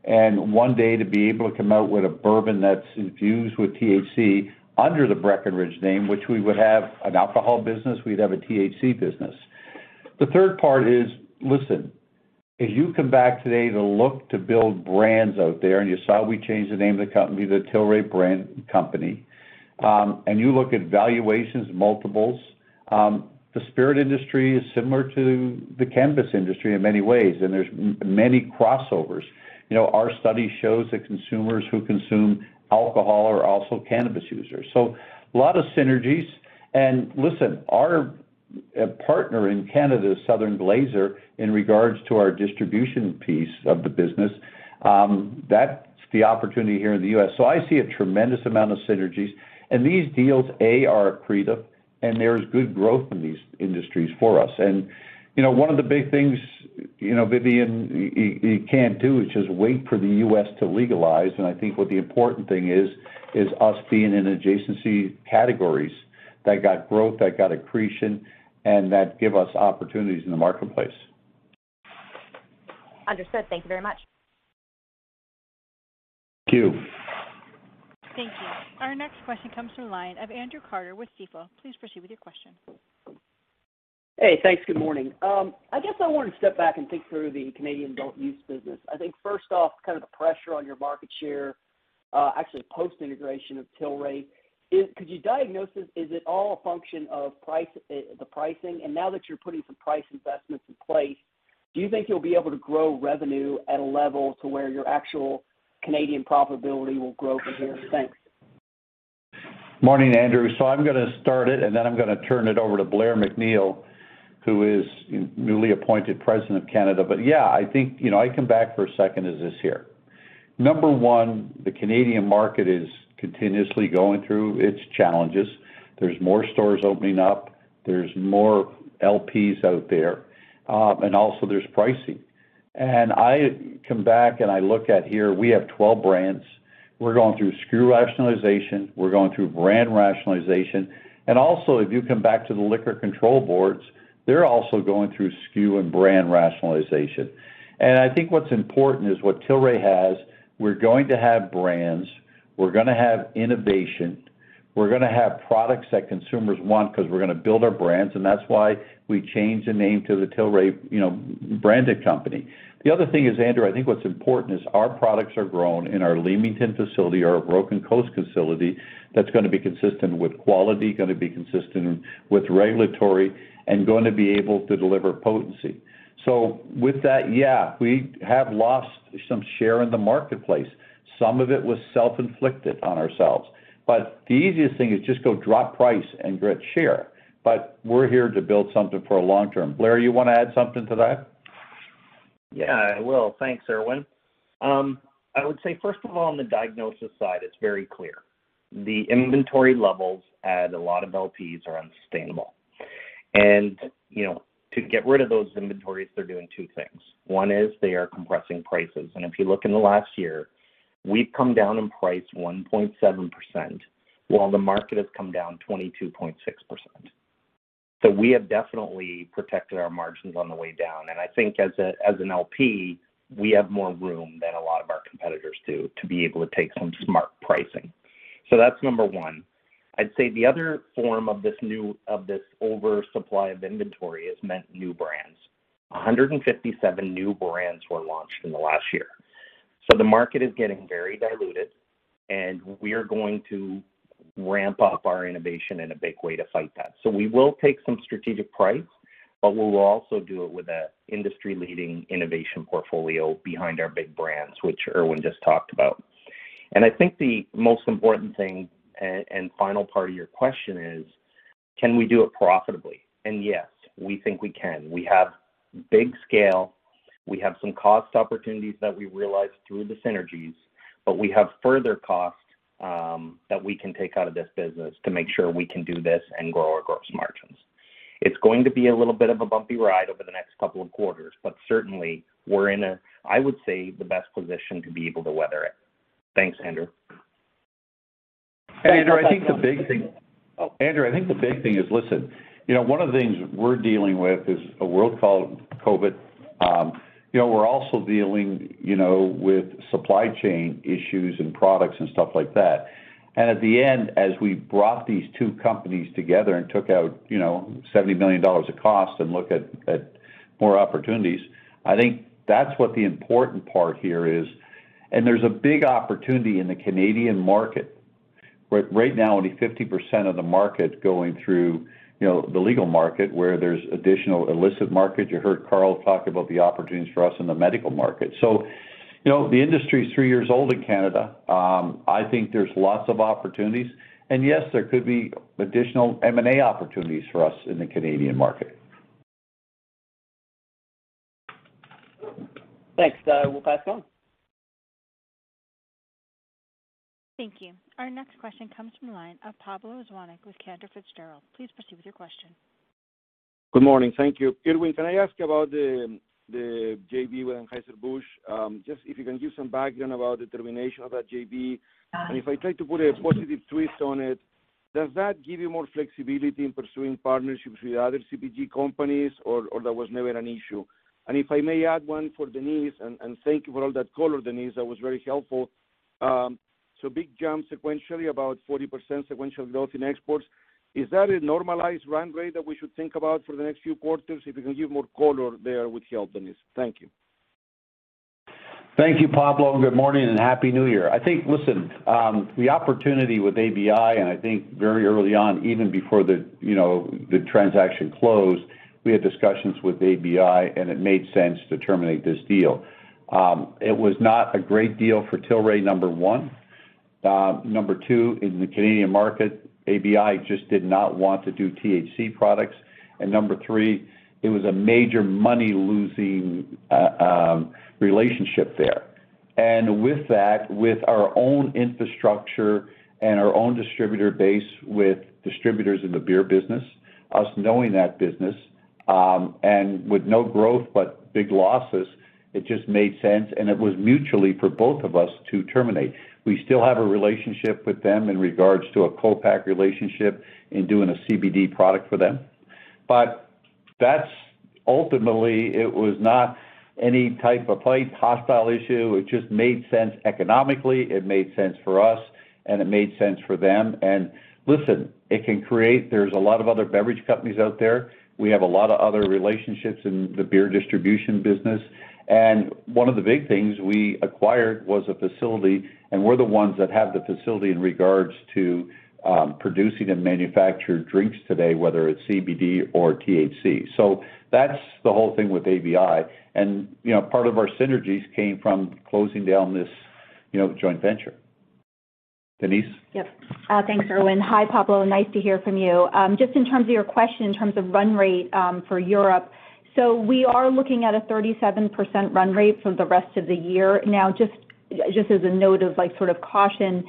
One day to be able to come out with a bourbon that's infused with THC under the Breckenridge name, which we would have an alcohol business, we'd have a THC business. The third part is, listen, if you come back today to look to build brands out there, and you saw we changed the name of the company to Tilray Brands, Inc., and you look at valuations, multiples, the spirit industry is similar to the cannabis industry in many ways, and there's many crossovers. You know, our study shows that consumers who consume alcohol are also cannabis users. A lot of synergies. Listen, our partner in Canada, Southern Glazer's, in regards to our distribution piece of the business, that's the opportunity here in the U.S. I see a tremendous amount of synergies and these deals, A, are accretive, and there's good growth in these industries for us. You know, one of the big things, you know, Vivian, you can't do is just wait for the U.S. to legalize. I think what the important thing is us being in adjacency categories that got growth, that got accretion, and that give us opportunities in the marketplace. Understood. Thank you very much. Thank you. Thank you. Our next question comes from the line of Andrew Carter with Stifel. Please proceed with your question. Hey, thanks. Good morning. I guess I wanted to step back and think through the Canadian adult use business. I think first off, kind of the pressure on your market share, actually post-integration of Tilray. Could you diagnose this? Is it all a function of price, the pricing? Now that you're putting some price investments in place, do you think you'll be able to grow revenue at a level to where your actual Canadian profitability will grow from here? Thanks. Morning, Andrew. I'm gonna start it, and then I'm gonna turn it over to Blair MacNeil, who is newly appointed President of Canada. Yeah, I think, you know, I come back for a second as this here. Number one, the Canadian market is continuously going through its challenges. There's more stores opening up. There's more LPs out there, and also there's pricing. I come back and I look at here, we have 12 brands. We're going through SKU rationalization. We're going through brand rationalization. Also, if you come back to the Liquor Control Boards, they're also going through SKU and brand rationalization. I think what's important is what Tilray has, we're going to have brands. We're gonna have innovation, we're gonna have products that consumers want because we're gonna build our brands, and that's why we changed the name to the Tilray, you know, branded company. The other thing is, Andrew, I think what's important is our products are grown in our Leamington facility, our Broken Coast facility, that's gonna be consistent with quality, gonna be consistent with regulatory, and going to be able to deliver potency. With that, yeah, we have lost some share in the marketplace. Some of it was self-inflicted on ourselves. The easiest thing is just go drop price and get share. We're here to build something for a long term. Blair, you want to add something to that? Yeah, I will. Thanks, Irwin. I would say, first of all, on the diagnosis side, it's very clear. The inventory levels at a lot of LPs are unsustainable. You know, to get rid of those inventories, they're doing two things. One is they are compressing prices. If you look in the last year, we've come down in price 1.7%, while the market has come down 22.6%. We have definitely protected our margins on the way down. I think as an LP, we have more room than a lot of our competitors do to be able to take some smart pricing. That's number one. I'd say the other form of this oversupply of inventory has meant new brands. 157 new brands were launched in the last year. The market is getting very diluted, and we are going to ramp up our innovation in a big way to fight that. We will take some strategic price, but we will also do it with an industry-leading innovation portfolio behind our big brands, which Irwin just talked about. I think the most important thing and final part of your question is, can we do it profitably? Yes, we think we can. We have big scale. We have some cost opportunities that we realized through the synergies, but we have further costs that we can take out of this business to make sure we can do this and grow our gross margins. It's going to be a little bit of a bumpy ride over the next couple of quarters, but certainly we're in a, I would say, the best position to be able to weather it. Thanks, Andrew. Andrew, I think the big thing is, listen, you know, one of the things we're dealing with is a world called COVID. You know, we're also dealing, you know, with supply chain issues and products and stuff like that. At the end, as we brought these two companies together and took out, you know, $70 million of cost and look at more opportunities, I think that's what the important part here is. There's a big opportunity in the Canadian market, where right now, only 50% of the market going through, you know, the legal market where there's additional illicit market. You heard Carl talk about the opportunities for us in the medical market. You know, the industry is three years old in Canada. I think there's lots of opportunities. Yes, there could be additional M&A opportunities for us in the Canadian market. Thanks. I will pass it on. Thank you. Our next question comes from the line of Pablo Zuanic with Cantor Fitzgerald. Please proceed with your question. Good morning. Thank you. Irwin, can I ask about the JV with Anheuser-Busch? Just if you can give some background about the termination of that JV. If I try to put a positive twist on it, does that give you more flexibility in pursuing partnerships with other CPG companies, or that was never an issue? If I may add one for Denise, thank you for all that color, Denise. That was very helpful. So big jump sequentially, about 40% sequential growth in exports. Is that a normalized run rate that we should think about for the next few quarters? If you can give more color there would help, Denise. Thank you. Thank you, Pablo, and good morning and Happy New Year. I think, listen, the opportunity with ABI, and I think very early on, even before the, you know, the transaction closed, we had discussions with ABI, and it made sense to terminate this deal. It was not a great deal for Tilray, number one. Number two, in the Canadian market, ABI just did not want to do THC products. Number three, it was a major money-losing relationship there. With that, with our own infrastructure and our own distributor base, with distributors in the beer business, us knowing that business, and with no growth but big losses, it just made sense, and it was mutually for both of us to terminate. We still have a relationship with them in regards to a co-pack relationship in doing a CBD product for them. That's ultimately it was not any type of fight, hostile issue. It just made sense economically. It made sense for us, and it made sense for them. Listen, it can create. There's a lot of other beverage companies out there. We have a lot of other relationships in the beer distribution business. One of the big things we acquired was a facility, and we're the ones that have the facility in regards to producing and manufacture drinks today, whether it's CBD or THC. So that's the whole thing with ABI. You know, part of our synergies came from closing down this, you know, joint venture. Denise? Yep. Thanks, Irwin. Hi, Pablo. Nice to hear from you. Just in terms of your question, in terms of run rate for Europe. We are looking at a 37% run rate for the rest of the year. Now, just as a note of, like, sort of caution,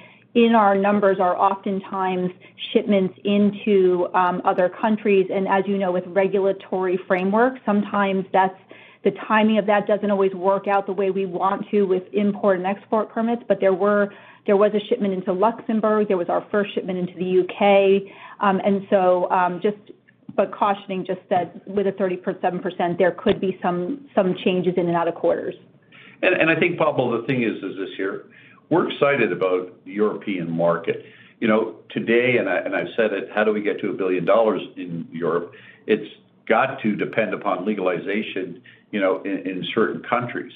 our numbers are oftentimes shipments into other countries. And as you know, with regulatory framework, sometimes that's the timing of that doesn't always work out the way we want to with import and export permits. But there was a shipment into Luxembourg. There was our first shipment into the U.K. And so, just for cautioning just that with a 30%-70%, there could be some changes in and out of quarters. I think, Pablo Zuanic, the thing is, this here. We're excited about the European market. You know, today, I've said it, how do we get to $1 billion in Europe? It's got to depend upon legalization, you know, in certain countries.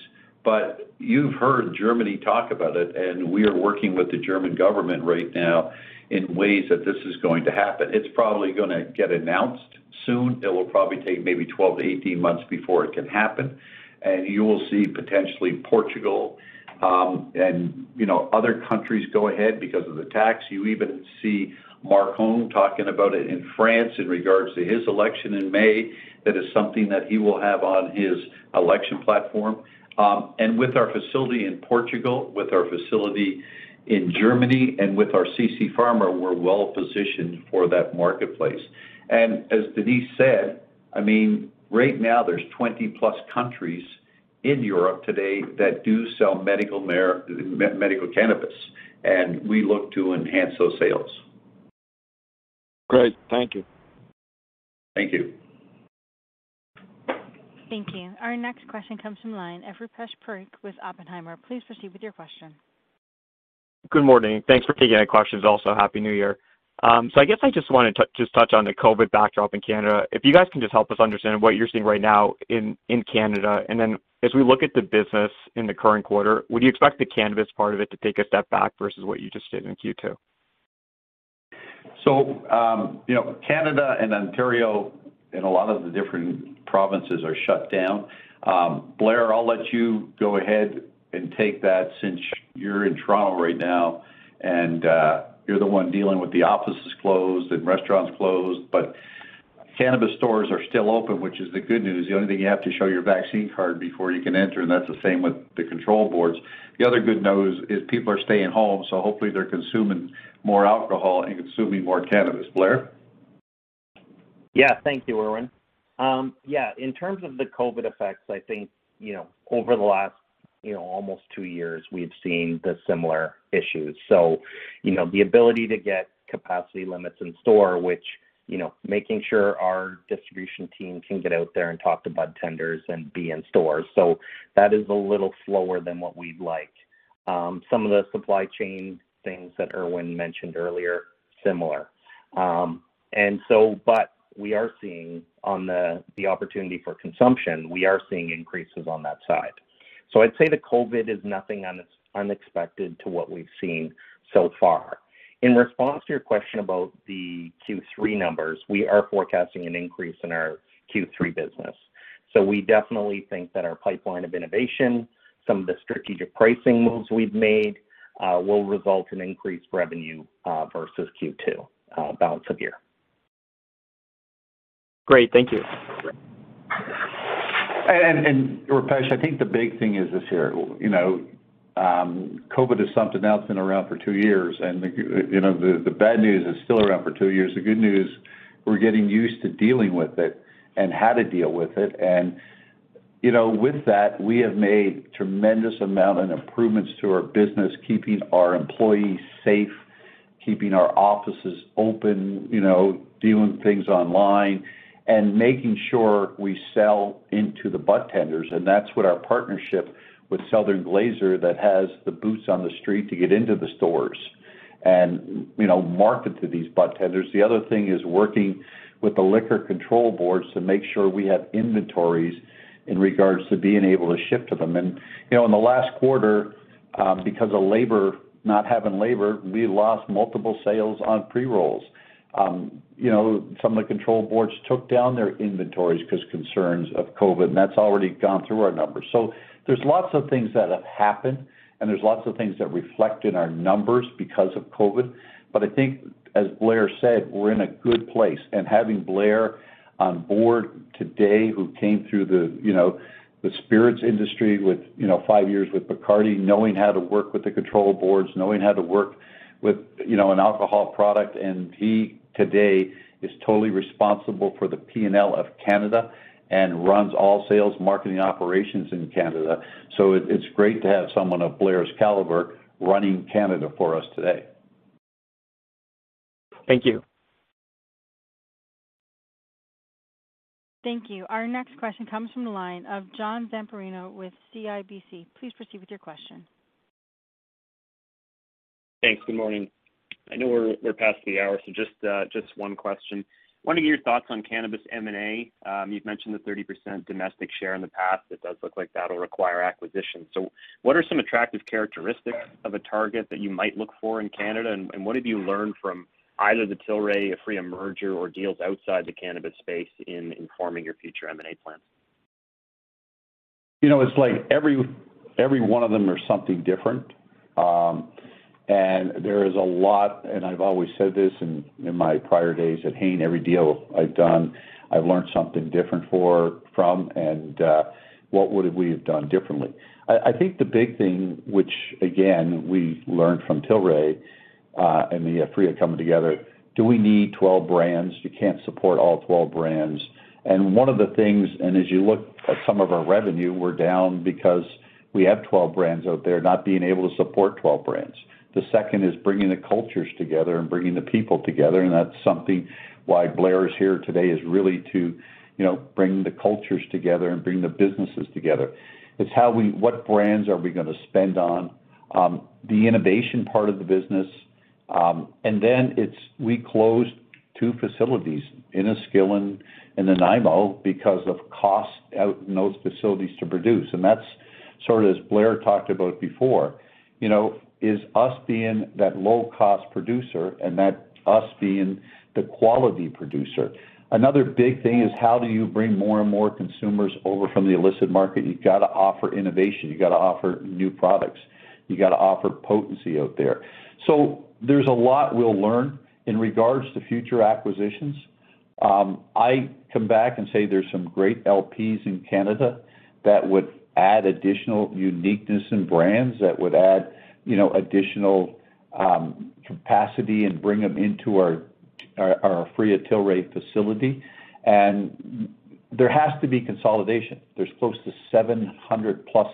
You've heard Germany talk about it, and we are working with the German government right now in ways that this is going to happen. It's probably gonna get announced soon. It will probably take maybe 12-18 months before it can happen. You will see potentially Portugal and other countries go ahead because of the tax. You even see Macron talking about it in France in regards to his election in May. That is something that he will have on his election platform. With our facility in Portugal, with our facility in Germany, and with our CC Pharma, we're well-positioned for that marketplace. As Denise said, I mean, right now there's 20+ countries in Europe today that do sell medical cannabis, and we look to enhance those sales. Great. Thank you. Thank you. Thank you. Our next question comes from the line of Rupesh Parikh with Oppenheimer. Please proceed with your question. Good morning. Thanks for taking my questions. Also, Happy New Year. I guess I just wanted to just touch on the COVID backdrop in Canada. If you guys can just help us understand what you're seeing right now in Canada, and then as we look at the business in the current quarter, would you expect the cannabis part of it to take a step back versus what you just did in Q2? you know, Canada and Ontario and a lot of the different provinces are shut down. Blair, I'll let you go ahead and take that since you're in Toronto right now, and you're the one dealing with the offices closed and restaurants closed. Cannabis stores are still open, which is the good news. The only thing you have to show your vaccine card before you can enter, and that's the same with the Liquor Control Boards. The other good news is people are staying home, so hopefully they're consuming more alcohol and consuming more cannabis. Blair? Thank you, Irwin. Yeah, in terms of the COVID effects, I think, you know, over the last, you know, almost two years, we've seen the similar issues. You know, the ability to get capacity limits in store, which, you know, making sure our distribution team can get out there and talk to budtenders and be in stores. That is a little slower than what we'd like. Some of the supply chain things that Irwin mentioned earlier, similar. But we are seeing on the opportunity for consumption, we are seeing increases on that side. I'd say the COVID is nothing unexpected to what we've seen so far. In response to your question about the Q3 numbers, we are forecasting an increase in our Q3 business. We definitely think that our pipeline of innovation, some of the strategic pricing moves we've made, will result in increased revenue versus Q2 balance of year. Great. Thank you. Rupesh, I think the big thing is this here, you know, COVID is something now that's been around for two years. You know, the bad news is still around for two years. The good news, we're getting used to dealing with it and how to deal with it. You know, with that, we have made tremendous amount in improvements to our business, keeping our employees safe, keeping our offices open, you know, doing things online, and making sure we sell into the budtenders, and that's what our partnership with Southern Glazer's that has the boots on the street to get into the stores and, you know, market to these budtenders. The other thing is working with the Liquor Control Boards to make sure we have inventories in regards to being able to ship to them. You know, in the last quarter, because of labor, not having labor, we lost multiple sales on pre-rolls. You know, some of the control boards took down their inventories because concerns of COVID, and that's already gone through our numbers. There's lots of things that have happened, and there's lots of things that reflect in our numbers because of COVID. I think, as Blair said, we're in a good place. Having Blair on board today, who came through the, you know, the spirits industry with, you know, five years with Bacardi, knowing how to work with the control boards, knowing how to work with, you know, an alcohol product. He today is totally responsible for the P&L of Canada and runs all sales marketing operations in Canada. It, it's great to have someone of Blair's caliber running Canada for us today. Thank you. Thank you. Our next question comes from the line of John Zamparo with CIBC. Please proceed with your question. Thanks. Good morning. I know we're past the hour, so just one question. I wanted your thoughts on cannabis M&A. You've mentioned the 30% domestic share in the past. It does look like that'll require acquisition. What are some attractive characteristics of a target that you might look for in Canada? What have you learned from either the Tilray-Aphria merger or deals outside the cannabis space in informing your future M&A plans? You know, it's like every one of them are something different. There is a lot, and I've always said this in my prior days at Hain. Every deal I've done, I've learned something different from what we would have done differently. I think the big thing, which again we learned from Tilray and the Aphria coming together, do we need 12 brands? You can't support all 12 brands. One of the things, as you look at some of our revenue, we're down because we have 12 brands out there, not being able to support 12 brands. The second is bringing the cultures together and bringing the people together, and that's something why Blair is here today, to really, you know, bring the cultures together and bring the businesses together. It's what brands are we gonna spend on, the innovation part of the business. Then it's we closed two facilities in Asquith and Nanaimo because of cost out in those facilities to produce. That's sort of, as Blair talked about before, you know, is us being that low-cost producer and us being the quality producer. Another big thing is how do you bring more and more consumers over from the illicit market? You've got to offer innovation, you've got to offer new products, you got to offer potency out there. There's a lot we'll learn in regards to future acquisitions. I come back and say there's some great LPs in Canada that would add additional uniqueness and brands that would add, you know, additional capacity and bring them into our three Tilray facilities. There has to be consolidation. There's close to 700+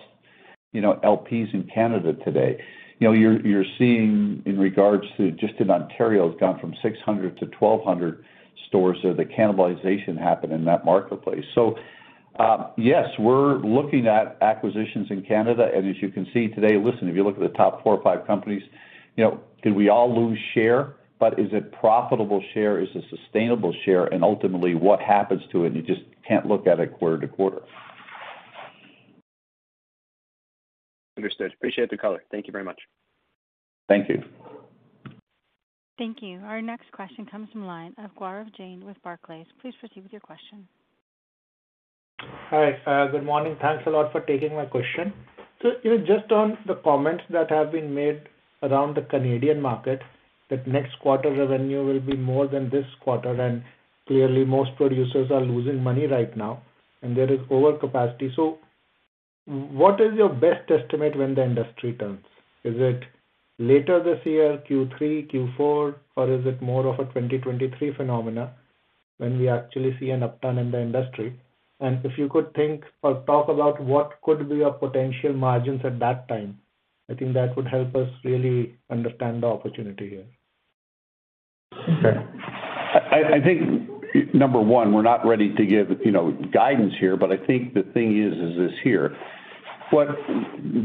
LPs in Canada today. You're seeing in regards to just in Ontario, it's gone from 600-1,200 stores. The cannibalization happened in that marketplace. Yes, we're looking at acquisitions in Canada. As you can see today, listen, if you look at the top four or five companies, did we all lose share, but is it profitable share? Is it sustainable share? Ultimately what happens to it? You just can't look at it quarter to quarter. Understood. Appreciate the color. Thank you very much. Thank you. Thank you. Our next question comes from line of Gaurav Jain with Barclays. Please proceed with your question. Hi. Good morning. Thanks a lot for taking my question. You know, just on the comments that have been made around the Canadian market, that next quarter revenue will be more than this quarter. Clearly most producers are losing money right now and there is overcapacity. What is your best estimate when the industry turns? Is it later this year, Q3, Q4, or is it more of a 2023 phenomenon when we actually see an upturn in the industry? If you could think or talk about what could be your potential margins at that time, I think that would help us really understand the opportunity here. I think, number one, we're not ready to give, you know, guidance here. I think the thing is this here, what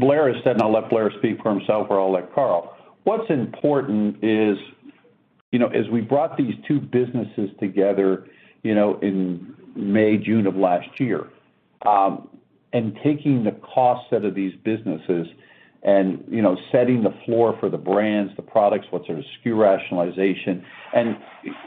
Blair has said, and I'll let Blair speak for himself or I'll let Carl. What's important is, you know, as we brought these two businesses together, you know, in May, June of last year, and taking the cost out of these businesses and, you know, setting the floor for the brands, the products, what's our SKU rationalization.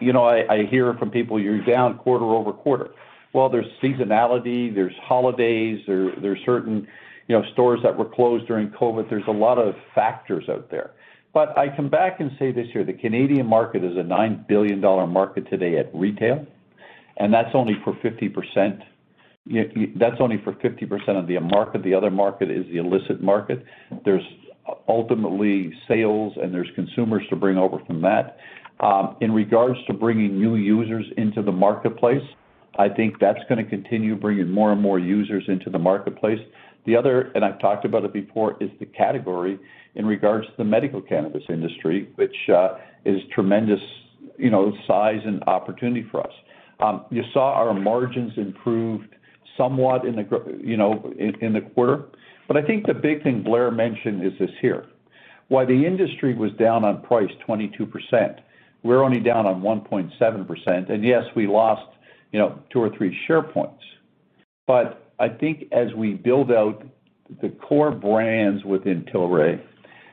You know, I hear from people, you're down quarter-over-quarter. Well, there's seasonality, there's holidays, there's certain, you know, stores that were closed during COVID. There's a lot of factors out there. I come back and say this here: the Canadian market is a $9 billion market today at retail, and that's only for 50%. That's only for 50% of the market. The other market is the illicit market. There's ultimately sales and there's consumers to bring over from that. In regards to bringing new users into the marketplace, I think that's gonna continue bringing more and more users into the marketplace. The other, and I've talked about it before, is the category in regards to the medical cannabis industry, which is tremendous, you know, size and opportunity for us. You saw our margins improved somewhat in the quarter. But I think the big thing Blair mentioned is this here. While the industry was down in price 22%, we're only down in price 1.7%. Yes, we lost, you know, two or three share points. I think as we build out the core brands within Tilray,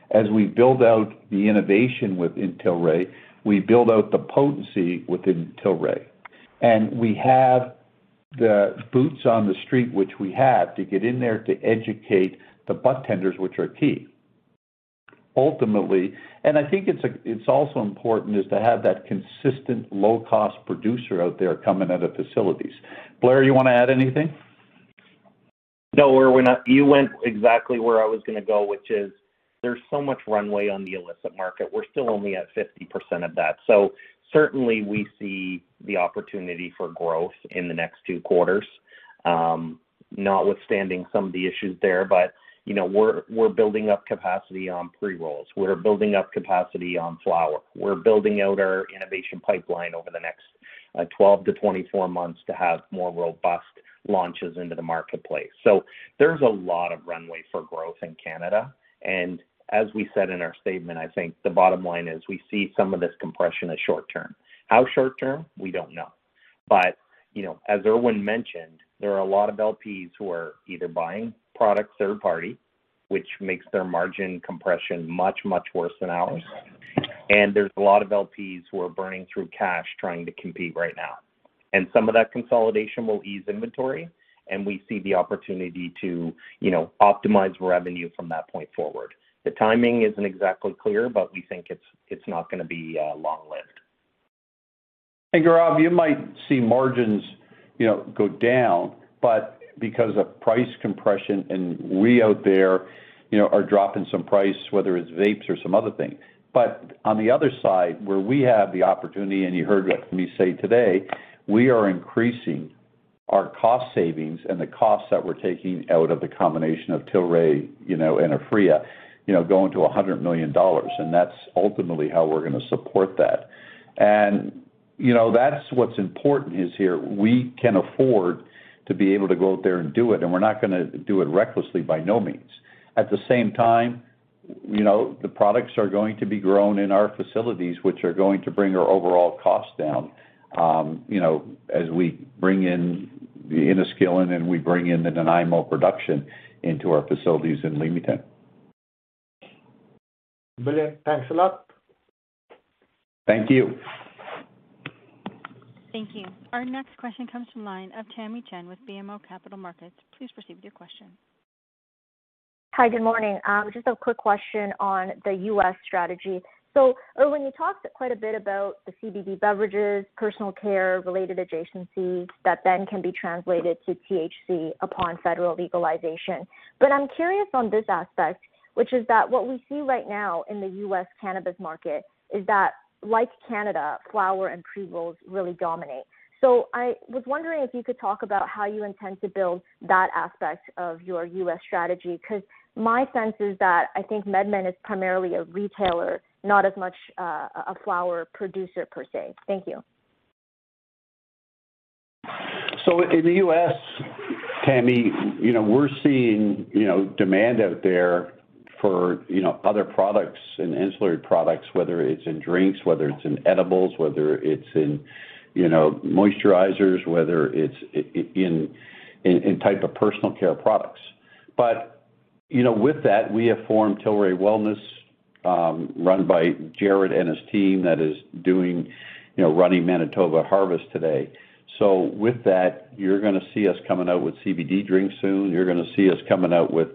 as we build out the innovation within Tilray, we build out the potency within Tilray. We have the boots on the street, which we have to get in there to educate the budtenders, which are key. Ultimately, I think it's also important is to have that consistent low-cost producer out there coming out of facilities. Blair, you want to add anything? No, Irwin, you went exactly where I was gonna go, which is there's so much runway on the illicit market. We're still only at 50% of that. Certainly we see the opportunity for growth in the next two quarters, notwithstanding some of the issues there. You know we're building up capacity on pre-rolls. We're building up capacity on flower. We're building out our innovation pipeline over the next 12-24 months to have more robust launches into the marketplace. There's a lot of runway for growth in Canada. As we said in our statement, I think the bottom line is we see some of this compression as short-term. How short-term? We don't know. You know, as Irwin mentioned, there are a lot of LPs who are either buying products third-party, which makes their margin compression much, much worse than ours. There's a lot of LPs who are burning through cash trying to compete right now. Some of that consolidation will ease inventory and we see the opportunity to, you know, optimize revenue from that point forward. The timing isn't exactly clear, but we think it's not gonna be long-lived. Gaurav, you might see margins, you know, go down, but because of price compression and we're out there, you know, are dropping some price, whether it's vapes or some other thing. But on the other side, where we have the opportunity, and you heard me say today, we are increasing our cost savings and the costs that we're taking out of the combination of Tilray, you know, and Aphria, you know, going to $100 million, and that's ultimately how we're gonna support that. You know, that's what's important is here we can afford to be able to go out there and do it, and we're not gonna do it recklessly by no means. At the same time, you know, the products are going to be grown in our facilities, which are going to bring our overall cost down, you know, as we bring in the Enniskillen and we bring in the Nanaimo production into our facilities in Leamington. Brilliant. Thanks a lot. Thank you. Thank you. Our next question comes from the line of Tamy Chen with BMO Capital Markets. Please proceed with your question. Hi. Good morning. Just a quick question on the U.S. strategy. Earlier you talked quite a bit about the CBD beverages, personal care-related adjacencies that then can be translated to THC upon federal legalization. I'm curious on this aspect, which is that what we see right now in the U.S. cannabis market is that, like Canada, flower and pre-rolls really dominate. I was wondering if you could talk about how you intend to build that aspect of your U.S. strategy. 'Cause my sense is that I think MedMen is primarily a retailer, not as much, a flower producer per se. Thank you. In the US, Tamy, you know, we're seeing, you know, demand out there for, you know, other products and ancillary products, whether it's in drinks, whether it's in edibles, whether it's in, you know, moisturizers, whether it's in type of personal care products. You know, with that, we have formed Tilray Wellness, run by Jared and his team that is doing, you know, running Manitoba Harvest today. With that, you're gonna see us coming out with CBD drinks soon. You're gonna see us coming out with,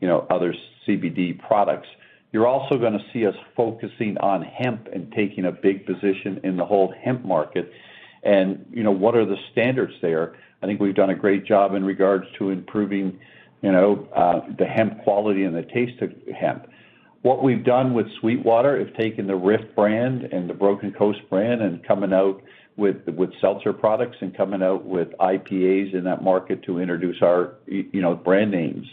you know, other CBD products. You're also gonna see us focusing on hemp and taking a big position in the whole hemp market and, you know, what are the standards there. I think we've done a great job in regards to improving, you know, the hemp quality and the taste of hemp. What we've done with SweetWater is taken the RIFF brand and the Broken Coast brand and coming out with seltzer products and coming out with IPAs in that market to introduce our you know brand names.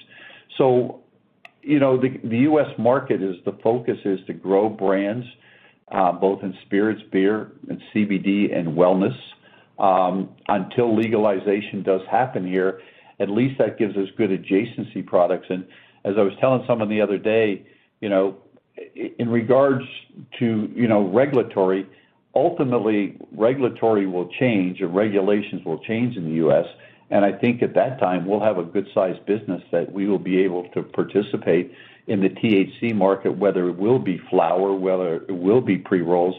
You know, the U.S. market, the focus is to grow brands both in spirits, beer, and CBD and wellness. Until legalization does happen here, at least that gives us good adjacency products. As I was telling someone the other day, you know, in regards to you know regulatory, ultimately, regulatory will change and regulations will change in the U.S., and I think at that time, we'll have a good size business that we will be able to participate in the THC market, whether it will be flower, whether it will be pre-rolls.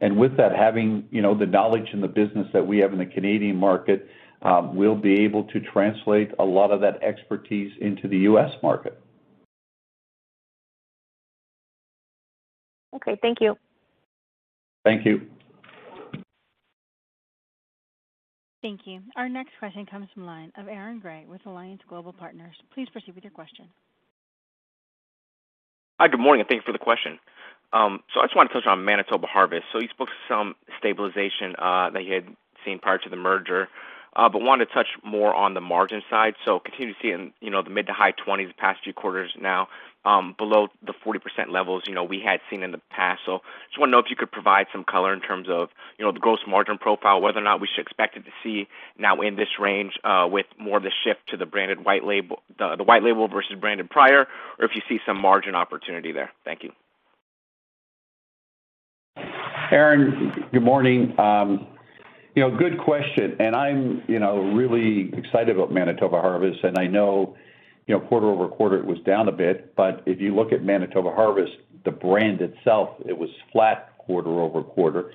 With that, having, you know, the knowledge and the business that we have in the Canadian market, we'll be able to translate a lot of that expertise into the U.S. market. Okay, thank you. Thank you. Thank you. Our next question comes from the line of Aaron Grey with Alliance Global Partners. Please proceed with your question. Hi, good morning, and thanks for the question. I just want to touch on Manitoba Harvest. You spoke some stabilization that you had seen prior to the merger, but wanted to touch more on the margin side. Continue to see in, you know, the mid-20s the past few quarters now, below the 40% levels, you know, we had seen in the past. Just wanna know if you could provide some color in terms of, you know, the gross margin profile, whether or not we should expect it to see now in this range, with more of the shift to the branded white label. The white label versus branded prior, or if you see some margin opportunity there. Thank you. Aaron, good morning. You know, good question. I'm you know really excited about Manitoba Harvest, and I know you know quarter over quarter it was down a bit. If you look at Manitoba Harvest, the brand itself, it was flat quarter over quarter.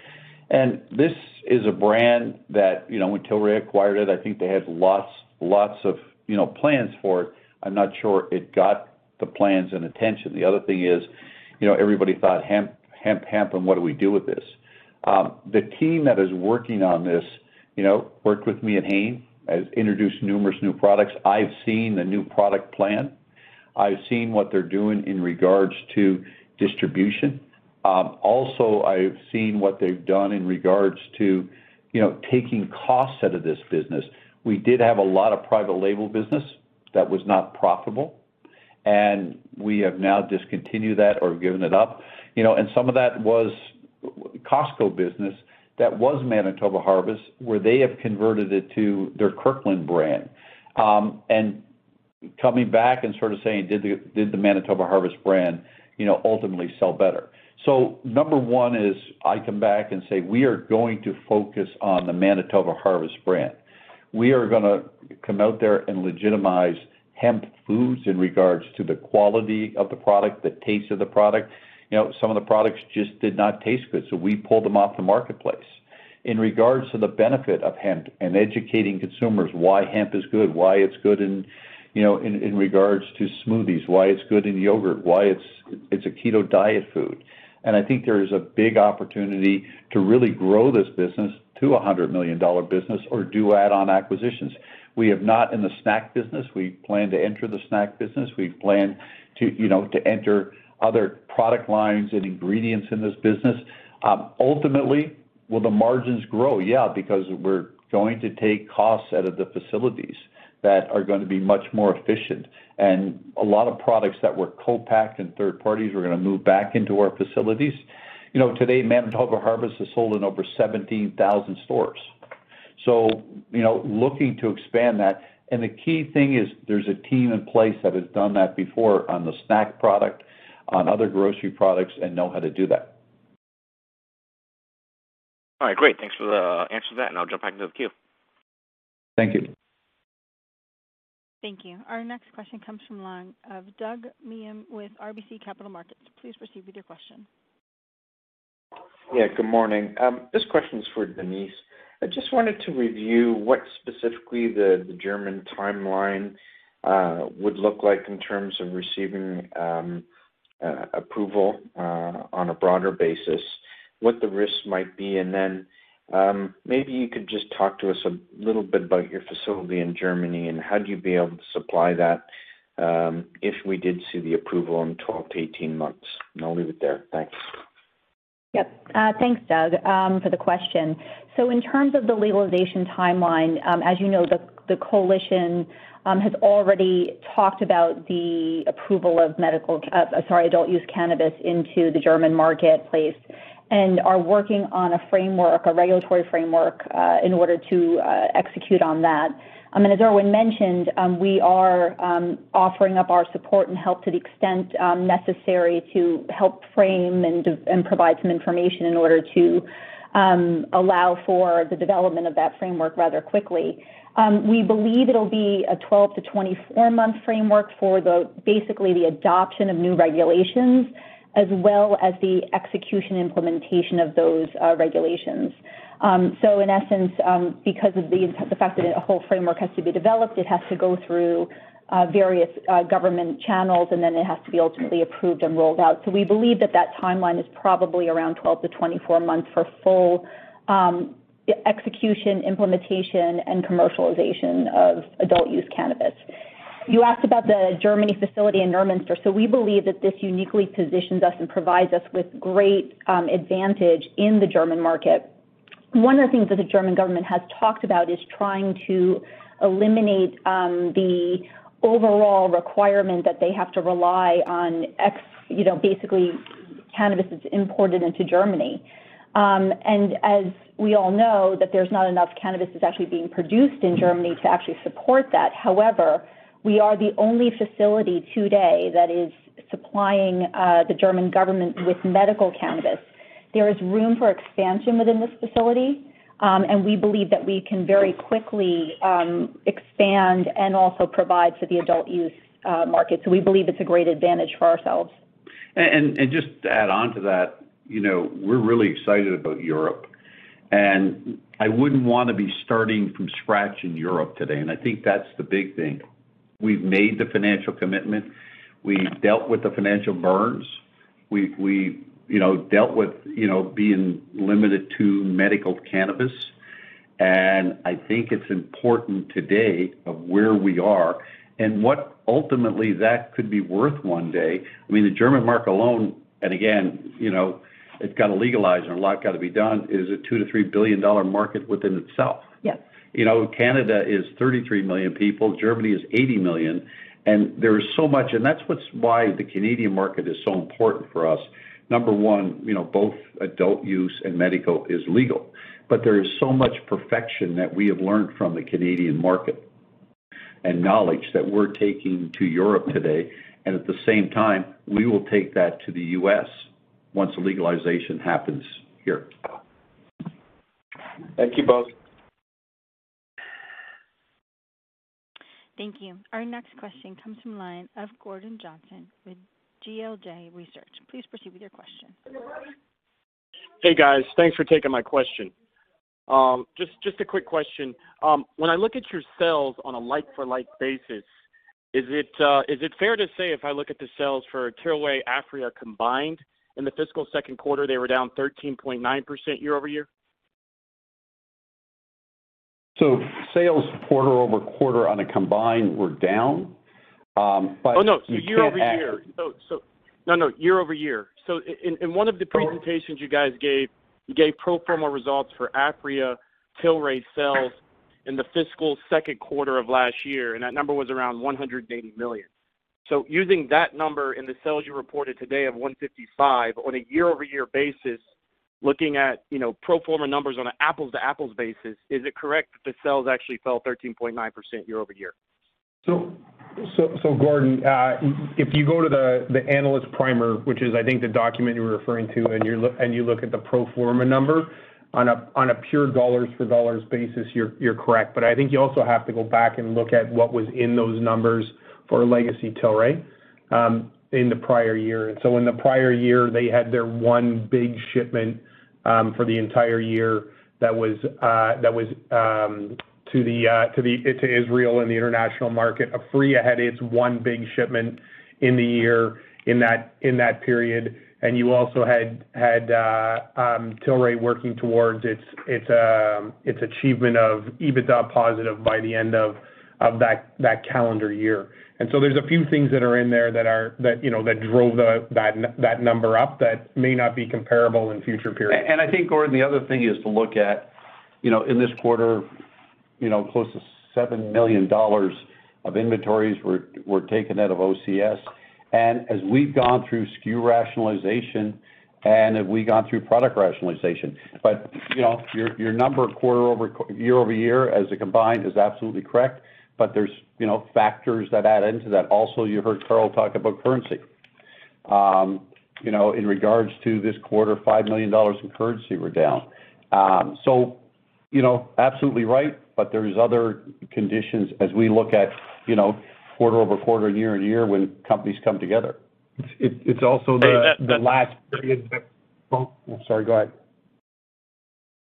This is a brand that you know when Tilray acquired it, I think they had lots of you know plans for it. I'm not sure it got the plans and attention. The other thing is you know everybody thought hemp and what do we do with this? The team that is working on this you know worked with me at Hain has introduced numerous new products. I've seen the new product plan. I've seen what they're doing in regards to distribution. Also, I've seen what they've done in regards to you know taking costs out of this business. We did have a lot of private label business that was not profitable, and we have now discontinued that or given it up. You know, some of that was Costco business that was Manitoba Harvest, where they have converted it to their Kirkland brand. Coming back and sort of saying, did the Manitoba Harvest brand, you know, ultimately sell better? Number one is I come back and say, we are going to focus on the Manitoba Harvest brand. We are gonna come out there and legitimize hemp foods in regards to the quality of the product, the taste of the product. You know, some of the products just did not taste good, so we pulled them off the marketplace. In regards to the benefit of hemp and educating consumers why hemp is good, why it's good in, you know, in regards to smoothies, why it's good in yogurt, why it's a keto diet food. I think there is a big opportunity to really grow this business to a $100 million business or do add-on acquisitions. We have not in the snack business. We plan to enter the snack business. We plan to, you know, enter other product lines and ingredients in this business. Ultimately, will the margins grow? Yeah, because we're going to take costs out of the facilities that are gonna be much more efficient. A lot of products that were co-packed in third parties are gonna move back into our facilities. You know, today, Manitoba Harvest is sold in over 17,000 stores. You know, looking to expand that. The key thing is there's a team in place that has done that before on the snack product, on other grocery products and know how to do that. All right, great. Thanks for the answer to that, and I'll jump back into the queue. Thank you. Thank you. Our next question comes from the line of Doug Miehm with RBC Capital Markets. Please proceed with your question. Yeah, good morning. This question is for Denise. I just wanted to review what specifically the German timeline would look like in terms of receiving approval on a broader basis, what the risks might be. Maybe you could just talk to us a little bit about your facility in Germany and how you'd be able to supply that if we did see the approval in 12-18 months. I'll leave it there. Thanks. Yep. Thanks, Doug, for the question. In terms of the legalization timeline, as you know, the coalition has already talked about the approval of adult-use cannabis into the German marketplace and are working on a framework, a regulatory framework, in order to execute on that. I mean, as Irwin mentioned, we are offering up our support and help to the extent necessary to help frame and provide some information in order to allow for the development of that framework rather quickly. We believe it'll be a 12-24 month framework for basically the adoption of new regulations as well as the execution and implementation of those regulations. In essence, because of the fact that a whole framework has to be developed, it has to go through various government channels, and then it has to be ultimately approved and rolled out. We believe that timeline is probably around 12-24 months for full execution, implementation and commercialization of adult use cannabis. You asked about the German facility in Neumünster. We believe that this uniquely positions us and provides us with great advantage in the German market. One of the things that the German government has talked about is trying to eliminate the overall requirement that they have to rely on you know, basically, cannabis is imported into Germany. As we all know that there's not enough cannabis that's actually being produced in Germany to actually support that. However, we are the only facility today that is supplying the German government with medical cannabis. There is room for expansion within this facility, and we believe that we can very quickly expand and also provide to the adult-use market. We believe it's a great advantage for ourselves. Just to add on to that, you know, we're really excited about Europe, and I wouldn't wanna be starting from scratch in Europe today, and I think that's the big thing. We've made the financial commitment. We dealt with the financial burns. We've, you know, dealt with, you know, being limited to medical cannabis. I think it's important today of where we are and what ultimately that could be worth one day. I mean, the German market alone, and again, you know, it's got to legalize and a lot got to be done, is a $2 billion-$3 billion market within itself. Yes. You know, Canada is 33 million people, Germany is 80 million, and there is so much. That's why the Canadian market is so important for us. Number one, you know, both adult use and medical is legal. There is so much experience that we have learned from the Canadian market and knowledge that we're taking to Europe today. At the same time, we will take that to the U.S. once the legalization happens here. Thank you both. Thank you. Our next question comes from line of Gordon Johnson with GLJ Research. Please proceed with your question. Hey, guys. Thanks for taking my question. Just a quick question. When I look at your sales on a like-for-like basis, is it fair to say if I look at the sales for Tilray, Aphria combined in the fiscal second quarter, they were down 13.9% year-over-year? Sales quarter-over-quarter on a combined were down. Oh, no. Year-over-year. You can't ac- No, no, year-over-year. In one of the presentations you guys gave, you gave pro forma results for Aphria, Tilray sales in the fiscal second quarter of last year, and that number was around $180 million. Using that number in the sales you reported today of $155 on a year-over-year basis, looking at, you know, pro forma numbers on an apples-to-apples basis, is it correct that the sales actually fell 13.9% year-over-year? Gordon, if you go to the analyst primer, which is I think the document you're referring to, and you look at the pro forma number on a pure dollars for dollars basis, you're correct. I think you also have to go back and look at what was in those numbers for legacy Tilray in the prior year. In the prior year, they had their one big shipment for the entire year that was to Israel and the international market. Aphria had its one big shipment in the year in that period. You also had Tilray working towards its achievement of EBITDA positive by the end of that calendar year. There's a few things that are in there that you know that drove that number up that may not be comparable in future periods. I think, Gordon, the other thing is to look at you know in this quarter. You know, close to $7 million of inventories were taken out of OCS. As we've gone through SKU rationalization and as we've gone through product rationalization. You know, your number quarter-over-year-over-year as a combined is absolutely correct, but there's you know factors that add into that. Also, you heard Carl talk about currency. You know, in regards to this quarter, $5 million in currency were down. You know, absolutely right, but there's other conditions as we look at you know quarter-over-quarter, year-over-year when companies come together. It's also the last period. Hey, that. Oh, sorry, go ahead.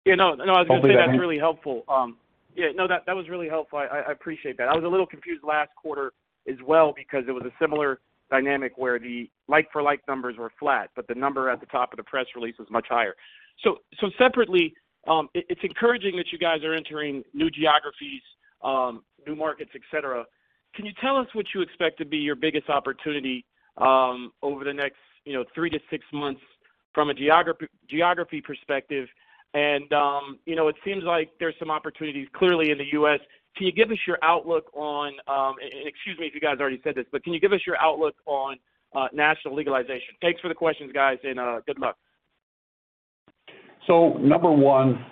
I was gonna say that's really helpful. Yeah, that was really helpful. I appreciate that. I was a little confused last quarter as well because it was a similar dynamic where the like for like numbers were flat, but the number at the top of the press release was much higher. Separately, it's encouraging that you guys are entering new geographies, new markets, et cetera. Can you tell us what you expect to be your biggest opportunity over the next, you know, three to six months from a geography perspective? You know, it seems like there's some opportunities clearly in the U.S. Can you give us your outlook on, and excuse me if you guys already said this, but can you give us your outlook on national legalization? Thanks for the questions, guys, and good luck. Number one,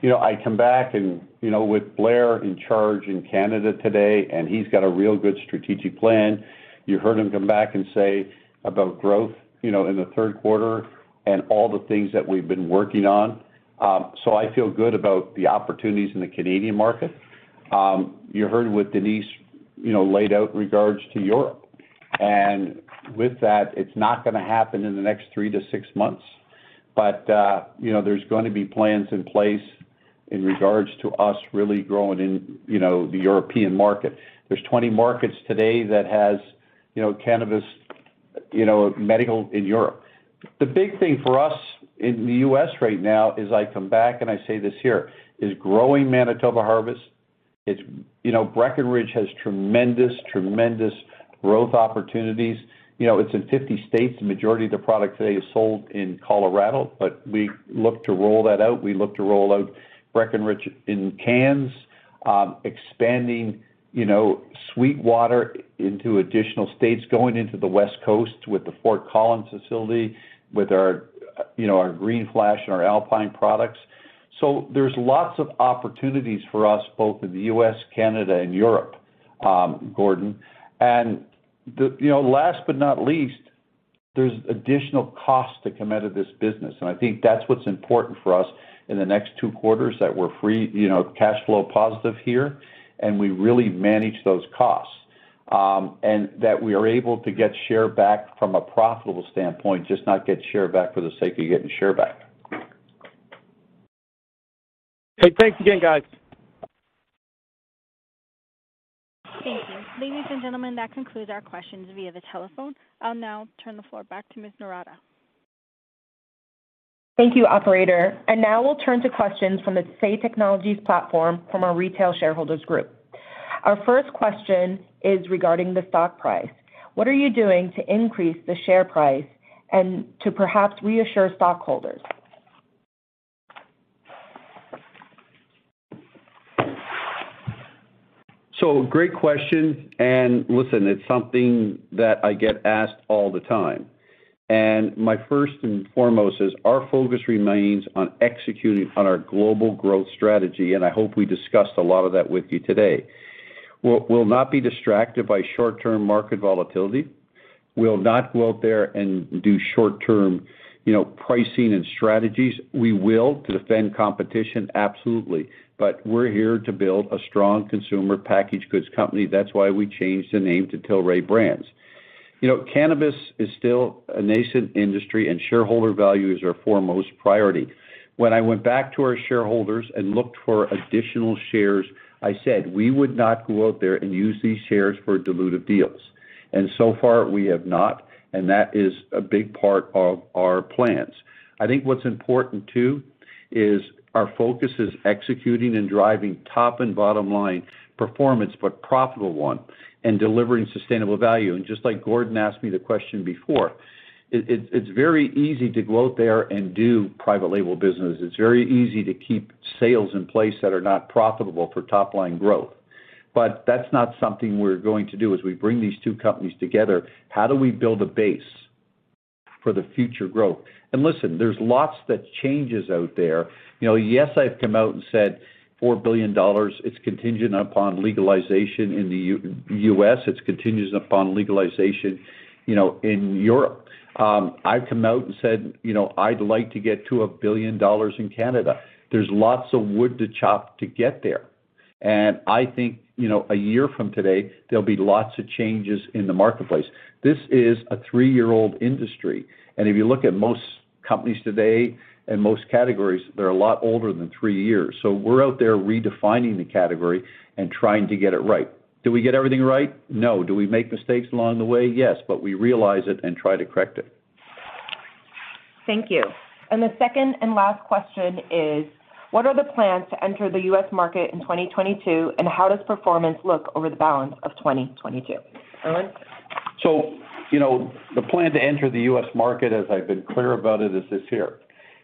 you know, I come back and, you know, with Blair in charge in Canada today, and he's got a real good strategic plan. You heard him come back and say about growth, you know, in the third quarter and all the things that we've been working on. I feel good about the opportunities in the Canadian market. You heard what Denise, you know, laid out in regards to Europe. With that, it's not gonna happen in the next three to six months. You know, there's gonna be plans in place in regards to us really growing in, you know, the European market. There's 20 markets today that has, you know, cannabis, you know, medical in Europe. The big thing for us in the U.S. right now is I come back and I say this here, is growing Manitoba Harvest. It's you know Breckenridge has tremendous growth opportunities. You know it's in 50 states. The majority of the product today is sold in Colorado but we look to roll that out. We look to roll out Breckenridge in cans expanding you know SweetWater into additional states going into the West Coast with the Fort Collins facility with our you know Green Flash and Alpine products. There's lots of opportunities for us both in the U.S. Canada and Europe Gordon. The you know last but not least there's additional costs that come out of this business. I think that's what's important for us in the next two quarters that we're free cash flow positive here, you know, and we really manage those costs, and that we are able to get share back from a profitable standpoint, just not get share back for the sake of getting share back. Hey, thanks again, guys. Thank you. Ladies and gentlemen, that concludes our questions via the telephone. I'll now turn the floor back to Ms. Noorata. Thank you, operator. Now we'll turn to questions from the Say Technologies platform from our retail shareholders group. Our first question is regarding the stock price. What are you doing to increase the share price and to perhaps reassure stockholders? Great question. Listen, it's something that I get asked all the time. My first and foremost is our focus remains on executing on our global growth strategy, and I hope we discussed a lot of that with you today. We'll not be distracted by short-term market volatility. We'll not go out there and do short-term, you know, pricing and strategies. We will to defend competition, absolutely. But we're here to build a strong consumer packaged goods company. That's why we changed the name to Tilray Brands. You know, cannabis is still a nascent industry, and shareholder value is our foremost priority. When I went back to our shareholders and looked for additional shares, I said, "We would not go out there and use these shares for dilutive deals." So far, we have not, and that is a big part of our plans. I think what's important, too, is our focus is executing and driving top and bottom line performance, but profitable one and delivering sustainable value. Just like Gordon asked me the question before, it's very easy to go out there and do private label business. It's very easy to keep sales in place that are not profitable for top line growth. That's not something we're going to do as we bring these two companies together. How do we build a base for the future growth? Listen, there's lots that changes out there. You know, yes, I've come out and said $4 billion, it's contingent upon legalization in the U.S., it's contingent upon legalization, you know, in Europe. I've come out and said, you know, I'd like to get to $1 billion in Canada. There's lots of wood to chop to get there. I think, you know, a year from today, there'll be lots of changes in the marketplace. This is a three-year-old industry. If you look at most companies today and most categories, they're a lot older than three years. We're out there redefining the category and trying to get it right. Do we get everything right? No. Do we make mistakes along the way? Yes. We realize it and try to correct it. Thank you. The second and last question is: What are the plans to enter the U.S. market in 2022, and how does performance look over the balance of 2022? Irwin? You know, the plan to enter the U.S. market, as I've been clear about it, is this here.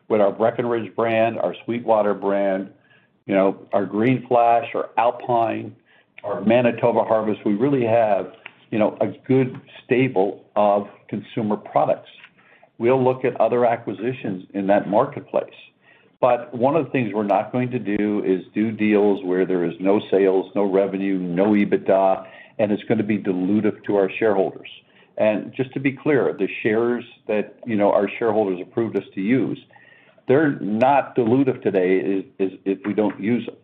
With our Breckenridge brand, our SweetWater brand, you know, our Green Flash, our Alpine, our Manitoba Harvest, we really have, you know, a good stable of consumer products. We'll look at other acquisitions in that marketplace. One of the things we're not going to do is do deals where there is no sales, no revenue, no EBITDA, and it's gonna be dilutive to our shareholders. Just to be clear, the shares that, you know, our shareholders approved us to use, they're not dilutive today if we don't use them.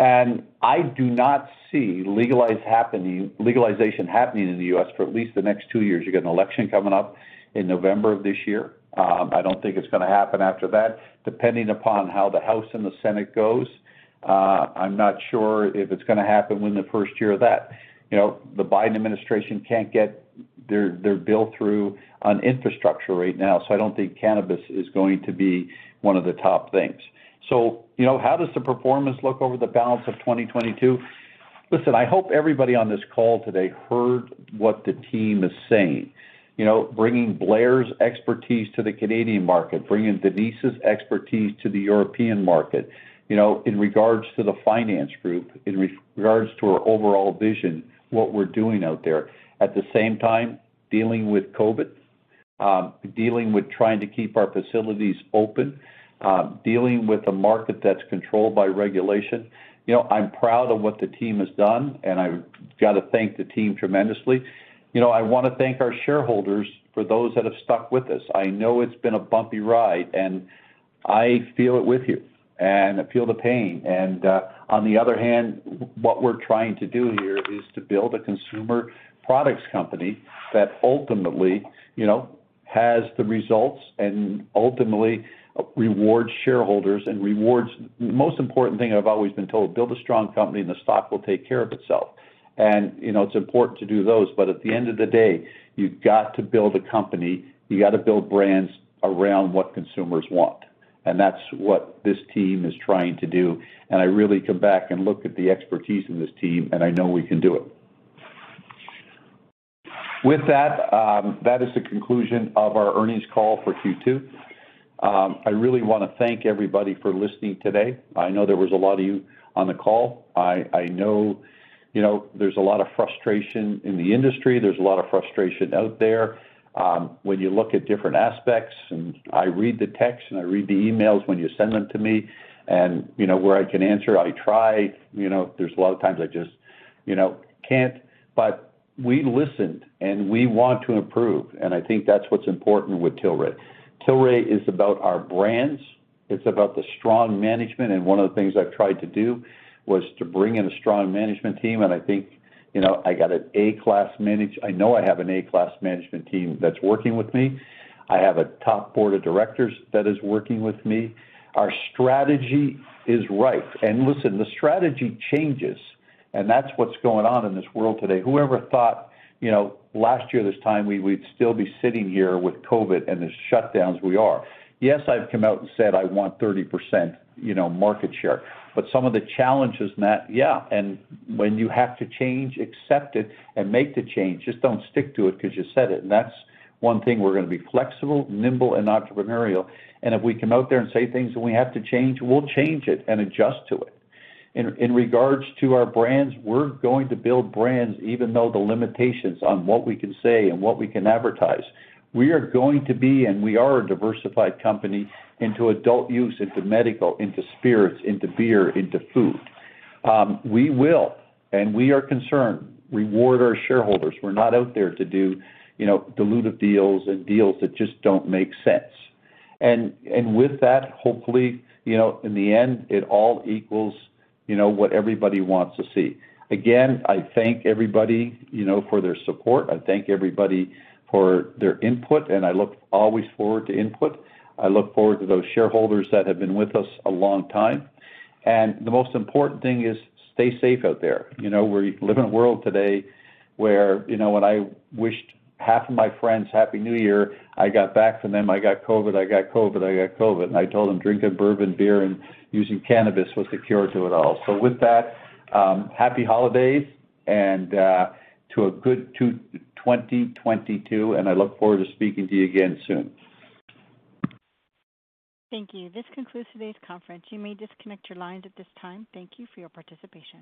I do not see legalization happening in the U.S. for at least the next two years. You got an election coming up in November of this year. I don't think it's gonna happen after that. Depending upon how the House and the Senate goes, I'm not sure if it's gonna happen within the first year of that. You know, the Biden administration can't get their bill through on infrastructure right now, so I don't think cannabis is going to be one of the top things. You know, how does the performance look over the balance of 2022? Listen, I hope everybody on this call today heard what the team is saying. You know, bringing Blair's expertise to the Canadian market, bringing Denise's expertise to the European market. You know, in regards to the finance group, in regards to our overall vision, what we're doing out there. At the same time, dealing with COVID, dealing with trying to keep our facilities open, dealing with a market that's controlled by regulation. You know, I'm proud of what the team has done, and I've gotta thank the team tremendously. You know, I wanna thank our shareholders for those that have stuck with us. I know it's been a bumpy ride, and I feel it with you, and I feel the pain. On the other hand, what we're trying to do here is to build a consumer products company that ultimately, you know, has the results and ultimately rewards shareholders and rewards. The most important thing I've always been told, build a strong company and the stock will take care of itself. You know, it's important to do those, but at the end of the day, you've got to build a company, you gotta build brands around what consumers want. That's what this team is trying to do. I really come back and look at the expertise in this team, and I know we can do it. With that is the conclusion of our earnings call for Q2. I really wanna thank everybody for listening today. I know there was a lot of you on the call. I know, you know, there's a lot of frustration in the industry. There's a lot of frustration out there, when you look at different aspects. I read the texts, and I read the emails when you send them to me. You know, where I can answer, I try. You know, there's a lot of times I just, you know, can't. We listened, and we want to improve, and I think that's what's important with Tilray. Tilray is about our brands. It's about the strong management, and one of the things I've tried to do was to bring in a strong management team, and I think, you know, I know I have an A-class management team that's working with me. I have a top board of directors that is working with me. Our strategy is right. Listen, the strategy changes, and that's what's going on in this world today. Whoever thought, you know, last year this time we'd still be sitting here with COVID and the shutdowns we are. Yes, I've come out and said I want 30%, you know, market share. But some of the challenges in that, yeah, and when you have to change, accept it and make the change. Just don't stick to it because you said it, and that's one thing. We're gonna be flexible, nimble, and entrepreneurial, and if we come out there and say things and we have to change, we'll change it and adjust to it. In regards to our brands, we're going to build brands even though the limitations on what we can say and what we can advertise. We are going to be, and we are a diversified company, into adult use, into medical, into spirits, into beer, into food. We will, and we are committed to reward our shareholders. We're not out there to do, you know, dilutive deals and deals that just don't make sense. With that, hopefully, you know, in the end, it all equals, you know, what everybody wants to see. Again, I thank everybody, you know, for their support. I thank everybody for their input, and I always look forward to input. I look forward to those shareholders that have been with us a long time. The most important thing is stay safe out there. You know, we live in a world today where, you know, when I wished half of my friends Happy New Year, I got back from them, "I got COVID, I got COVID, I got COVID." I told them drinking bourbon, beer, and using cannabis was the cure to it all. With that, happy holidays, and to a good 2022, and I look forward to speaking to you again soon. Thank you. This concludes today's conference. You may disconnect your lines at this time. Thank you for your participation.